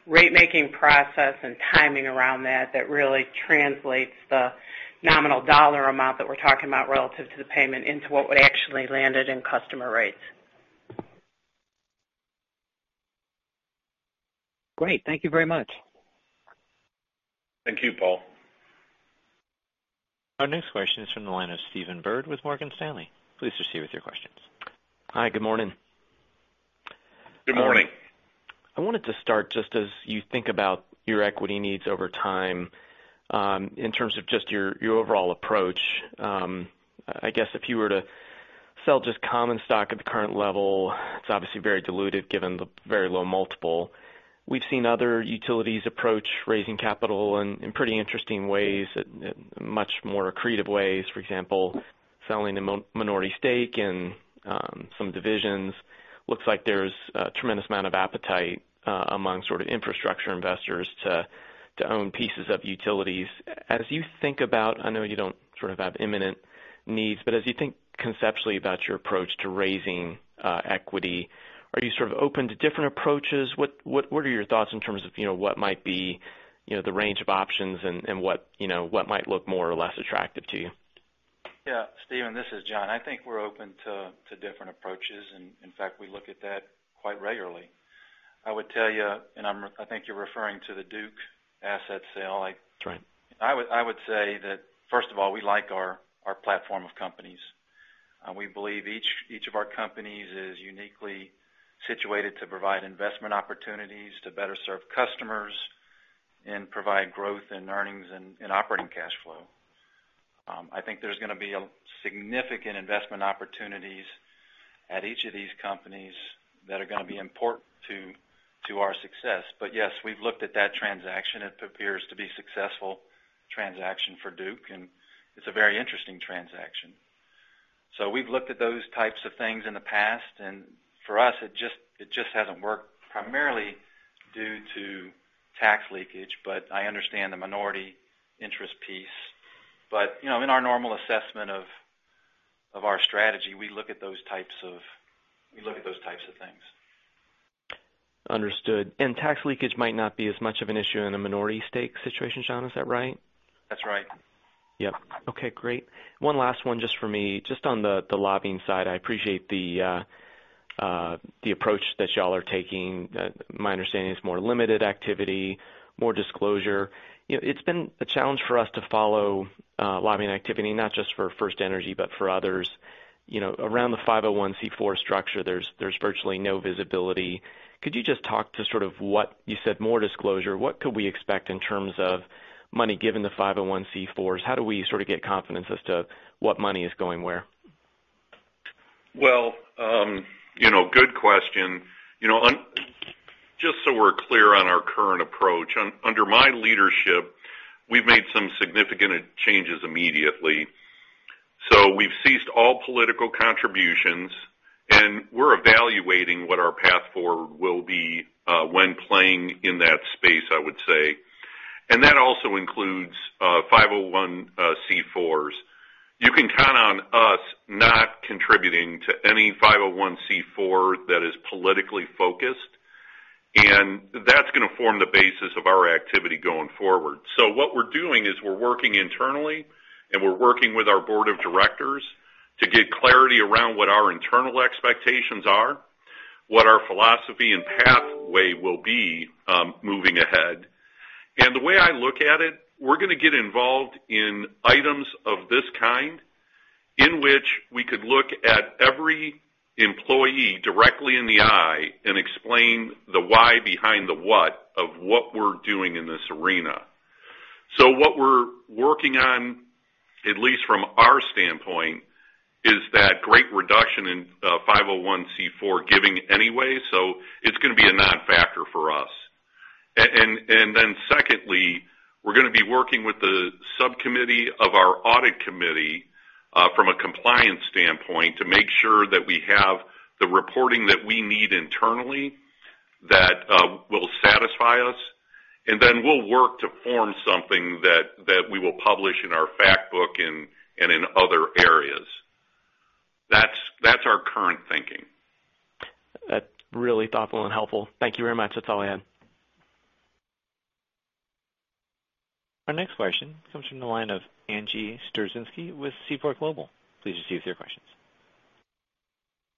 There's a whole rate-making process and timing around that that really translates the nominal dollar amount that we're talking about relative to the payment into what would actually landed in customer rates. Great. Thank you very much. Thank you, Paul. Our next question is from the line of Stephen Byrd with Morgan Stanley. Please proceed with your questions. Hi, good morning. Good morning. I wanted to start just as you think about your equity needs over time, in terms of just your overall approach. I guess if you were to sell just common stock at the current level, it's obviously very diluted given the very low multiple. We've seen other utilities approach raising capital in pretty interesting ways, much more accretive ways. For example, selling a minority stake in some divisions. Looks like there's a tremendous amount of appetite among infrastructure investors to own pieces of utilities. As you think about, I know you don't sort of have imminent needs, but as you think conceptually about your approach to raising equity, are you sort of open to different approaches? What are your thoughts in terms of what might be the range of options, and what might look more or less attractive to you? Yeah. Stephen, this is Jon. I think we're open to different approaches. In fact, we look at that quite regularly. I would tell you, I think you're referring to the Duke asset sale. That's right. I would say that, first of all, we like our platform of companies. We believe each of our companies is uniquely situated to provide investment opportunities to better serve customers and provide growth in earnings and operating cash flow. I think there's going to be significant investment opportunities at each of these companies that are going to be important to our success. Yes, we've looked at that transaction. It appears to be a successful transaction for Duke, and it's a very interesting transaction. We've looked at those types of things in the past, and for us, it just hasn't worked, primarily due to tax leakage. I understand the minority interest piece. In our normal assessment of our strategy, we look at those types of things. Tax leakage might not be as much of an issue in a minority stake situation, Jon, is that right? That's right. Yep. Okay, great. One last one just from me. Just on the lobbying side, I appreciate the approach that y'all are taking. My understanding is more limited activity, more disclosure. It's been a challenge for us to follow lobbying activity, not just for FirstEnergy, but for others. Around the 501(c)(4) structure, there's virtually no visibility. Could you just talk to sort of what you said, more disclosure, what could we expect in terms of money given the 501(c)(4)s? How do we sort of get confidence as to what money is going where? Well, good question. Just so we're clear, which under my leadership, we've made some significant changes immediately. We've ceased all political contributions, and we're evaluating what our path forward will be when playing in that space, I would say. That also includes 501(c)(4)s. You can count on us not contributing to any 501(c)(4) that is politically focused, and that's going to form the basis of our activity going forward. What we're doing is we're working internally, and we're working with our board of directors to get clarity around what our internal expectations are, what our philosophy and pathway will be moving ahead. The way I look at it, we're going to get involved in items of this kind, in which we could look at every employee directly in the eye and explain the why behind the what of what we're doing in this arena. What we're working on, at least from our standpoint, is that great reduction in 501(c)(4) giving anyway. It's going to be a non-factor for us. Secondly, we're going to be working with the subcommittee of our audit committee from a compliance standpoint to make sure that we have the reporting that we need internally that will satisfy us, and then we'll work to form something that we will publish in our fact book and in other areas. That's our current thinking. That's really thoughtful and helpful. Thank you very much. That's all I had. Our next question comes from the line of Angie Storozynski with Seaport Global. Please proceed with your questions.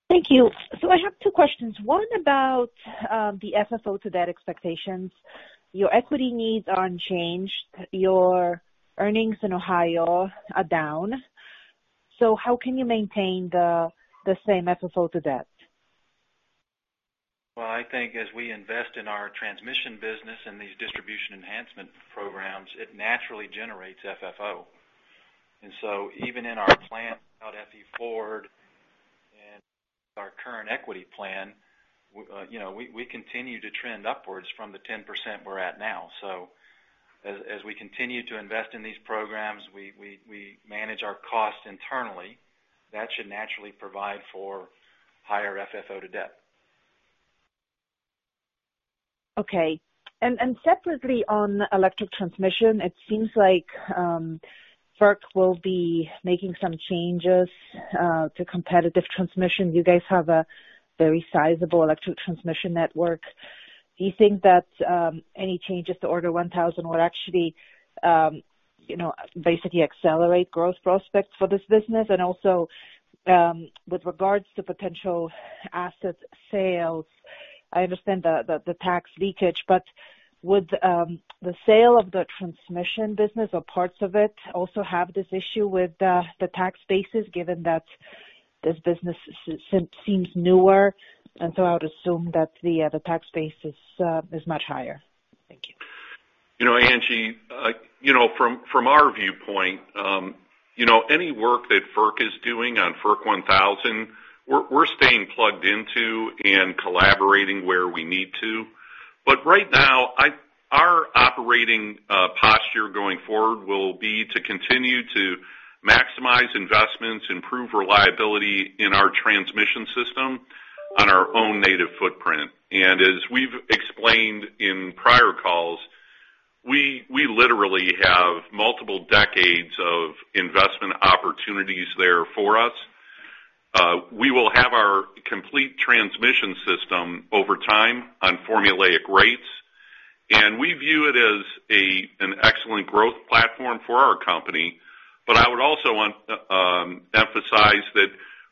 Thank you. I have two questions. One about the FFO-to-debt expectations. Your equity needs are unchanged. Your earnings in Ohio are down. How can you maintain the same FFO to debt? Well, I think as we invest in our transmission business and these distribution enhancement programs, it naturally generates FFO. Even in our plan without FE Forward and our current equity plan, we continue to trend upwards from the 10% we're at now. As we continue to invest in these programs, we manage our cost internally. That should naturally provide for higher FFO to debt. Okay. Separately on electric transmission, it seems like FERC will be making some changes to competitive transmission. You guys have a very sizable electric transmission network. Do you think that any changes to Order No. 1000 will actually basically accelerate growth prospects for this business? Also, with regards to potential asset sales, I understand the tax leakage, but would the sale of the transmission business or parts of it also have this issue with the tax basis, given that this business seems newer and so I would assume that the tax base is much higher? Thank you. Angie, from our viewpoint any work that FERC is doing on FERC 1000, we're staying plugged into and collaborating where we need to. Right now, our operating posture going forward will be to continue to maximize investments, improve reliability in our transmission system on our own native footprint. As we've explained in prior calls, we literally have multiple decades of investment opportunities there for us. We will have our complete transmission system over time on formulaic rates, and we view it as an excellent growth platform for our company. I would also want to emphasize that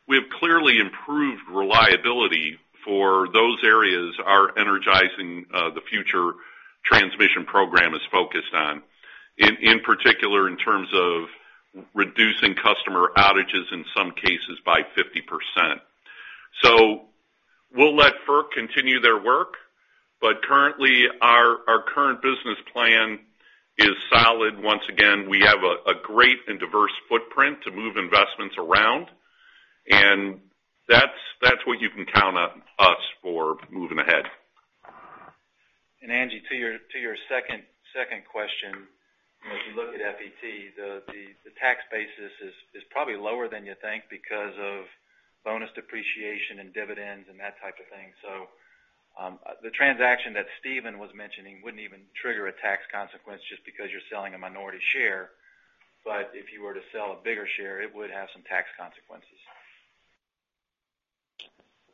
we have clearly improved reliability for those areas our Energizing the Future transmission program is focused on, in particular in terms of reducing customer outages, in some cases by 50%. We'll let FERC continue their work, but currently our current business plan is solid. Once again, we have a great and diverse footprint to move investments around, and that's what you can count on us for moving ahead. Angie, to your second question, if you look at FET, the tax basis is probably lower than you think because of bonus depreciation and dividends and that type of thing. The transaction that Stephen was mentioning wouldn't even trigger a tax consequence just because you're selling a minority share. If you were to sell a bigger share, it would have some tax consequences.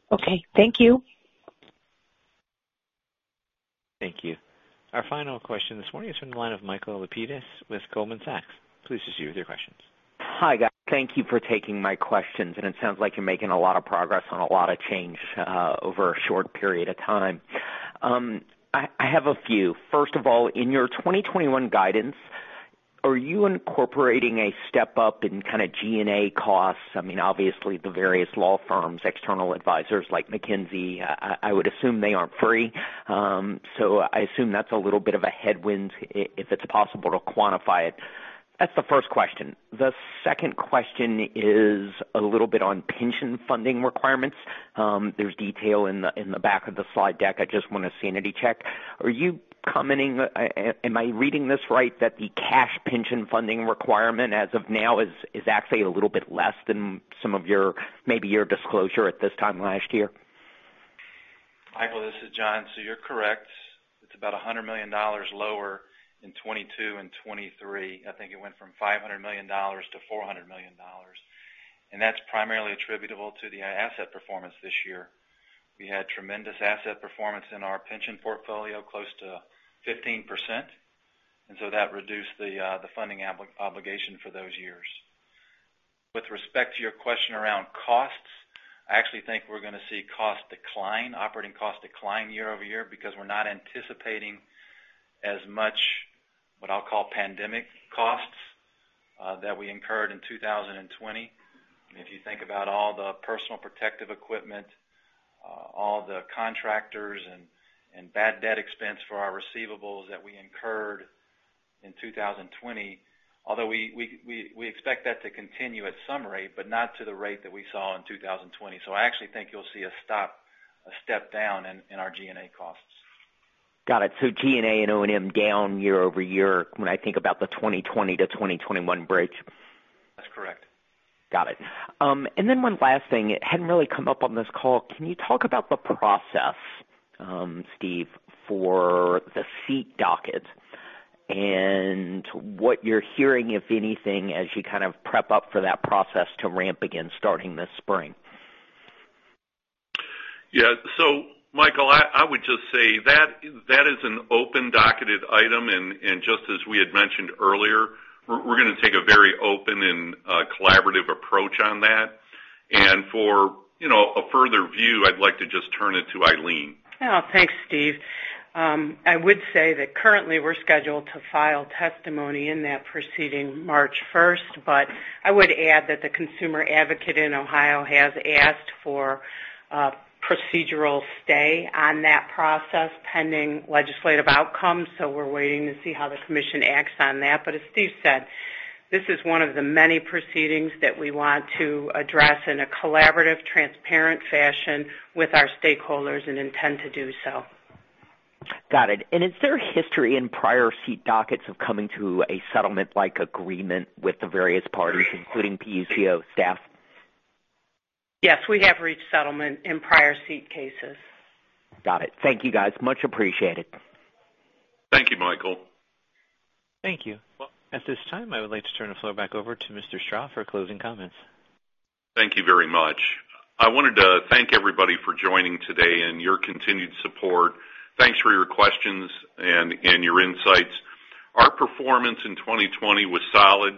Okay. Thank you. Thank you. Our final question this morning is from the line of Michael Lapides with Goldman Sachs. Please proceed with your questions. Hi, guys. Thank you for taking my questions. It sounds like you're making a lot of progress on a lot of change over a short period of time. I have a few. First of all, in your 2021 guidance, are you incorporating a step-up in kind of G&A costs? I mean, obviously the various law firms, external advisors like McKinsey, I would assume they aren't free. I assume that's a little bit of a headwind if it's possible to quantify it. That's the first question. The second question is a little bit on pension funding requirements. There's detail in the back of the slide deck. I just want a sanity check. Are you commenting, am I reading this right, that the cash pension funding requirement as of now is actually a little bit less than some of maybe your disclosure at this time last year? Michael, this is Jon. You're correct. It's about $100 million lower in 2022 and 2023. I think it went from $500 million to $400 million. That's primarily attributable to the asset performance this year. We had tremendous asset performance in our pension portfolio, close to 15%, that reduced the funding obligation for those years. With respect to your question around costs, I actually think we're going to see operating cost decline year-over-year because we're not anticipating as much, what I'll call pandemic costs, that we incurred in 2020. If you think about all the personal protective equipment, all the contractors and bad debt expense for our receivables that we incurred in 2020, although we expect that to continue at some rate, but not to the rate that we saw in 2020. I actually think you'll see a step down in our G&A costs. Got it. G&A and O&M down year-over-year when I think about the 2020 to 2021 break. That's correct. Got it. One last thing. It hadn't really come up on this call. Can you talk about the process, Steve, for the SEET dockets and what you're hearing, if anything, as you kind of prep up for that process to ramp again starting this spring? Michael, I would just say that is an open docketed item, and just as we had mentioned earlier, we're going to take a very open and collaborative approach on that. For a further view, I'd like to just turn it to Eileen. Thanks, Steve. I would say that currently we're scheduled to file testimony in that proceeding March 1st. I would add that the consumer advocate in Ohio has asked for a procedural stay on that process pending legislative outcomes. We're waiting to see how the commission acts on that. As Steve said, this is one of the many proceedings that we want to address in a collaborative, transparent fashion with our stakeholders and intend to do so. Got it. Is there a history in prior SEET dockets of coming to a settlement-like agreement with the various parties, including PUCO staff? Yes, we have reached settlement in prior SEET cases. Got it. Thank you, guys. Much appreciated. Thank you, Michael. Thank you. Well, at this time, I would like to turn the floor back over to Mr. Strah for closing comments. Thank you very much. I wanted to thank everybody for joining today and your continued support. Thanks for your questions and your insights. Our performance in 2020 was solid.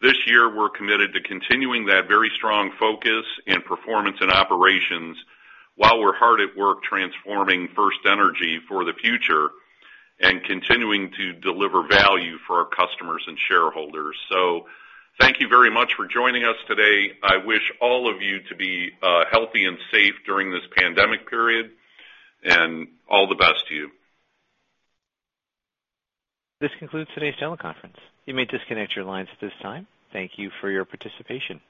This year, we're committed to continuing that very strong focus and performance in operations while we're hard at work transforming FirstEnergy for the future and continuing to deliver value for our customers and shareholders. Thank you very much for joining us today. I wish all of you to be healthy and safe during this pandemic period, and all the best to you. This concludes today's teleconference. You may disconnect your lines at this time. Thank you for your participation.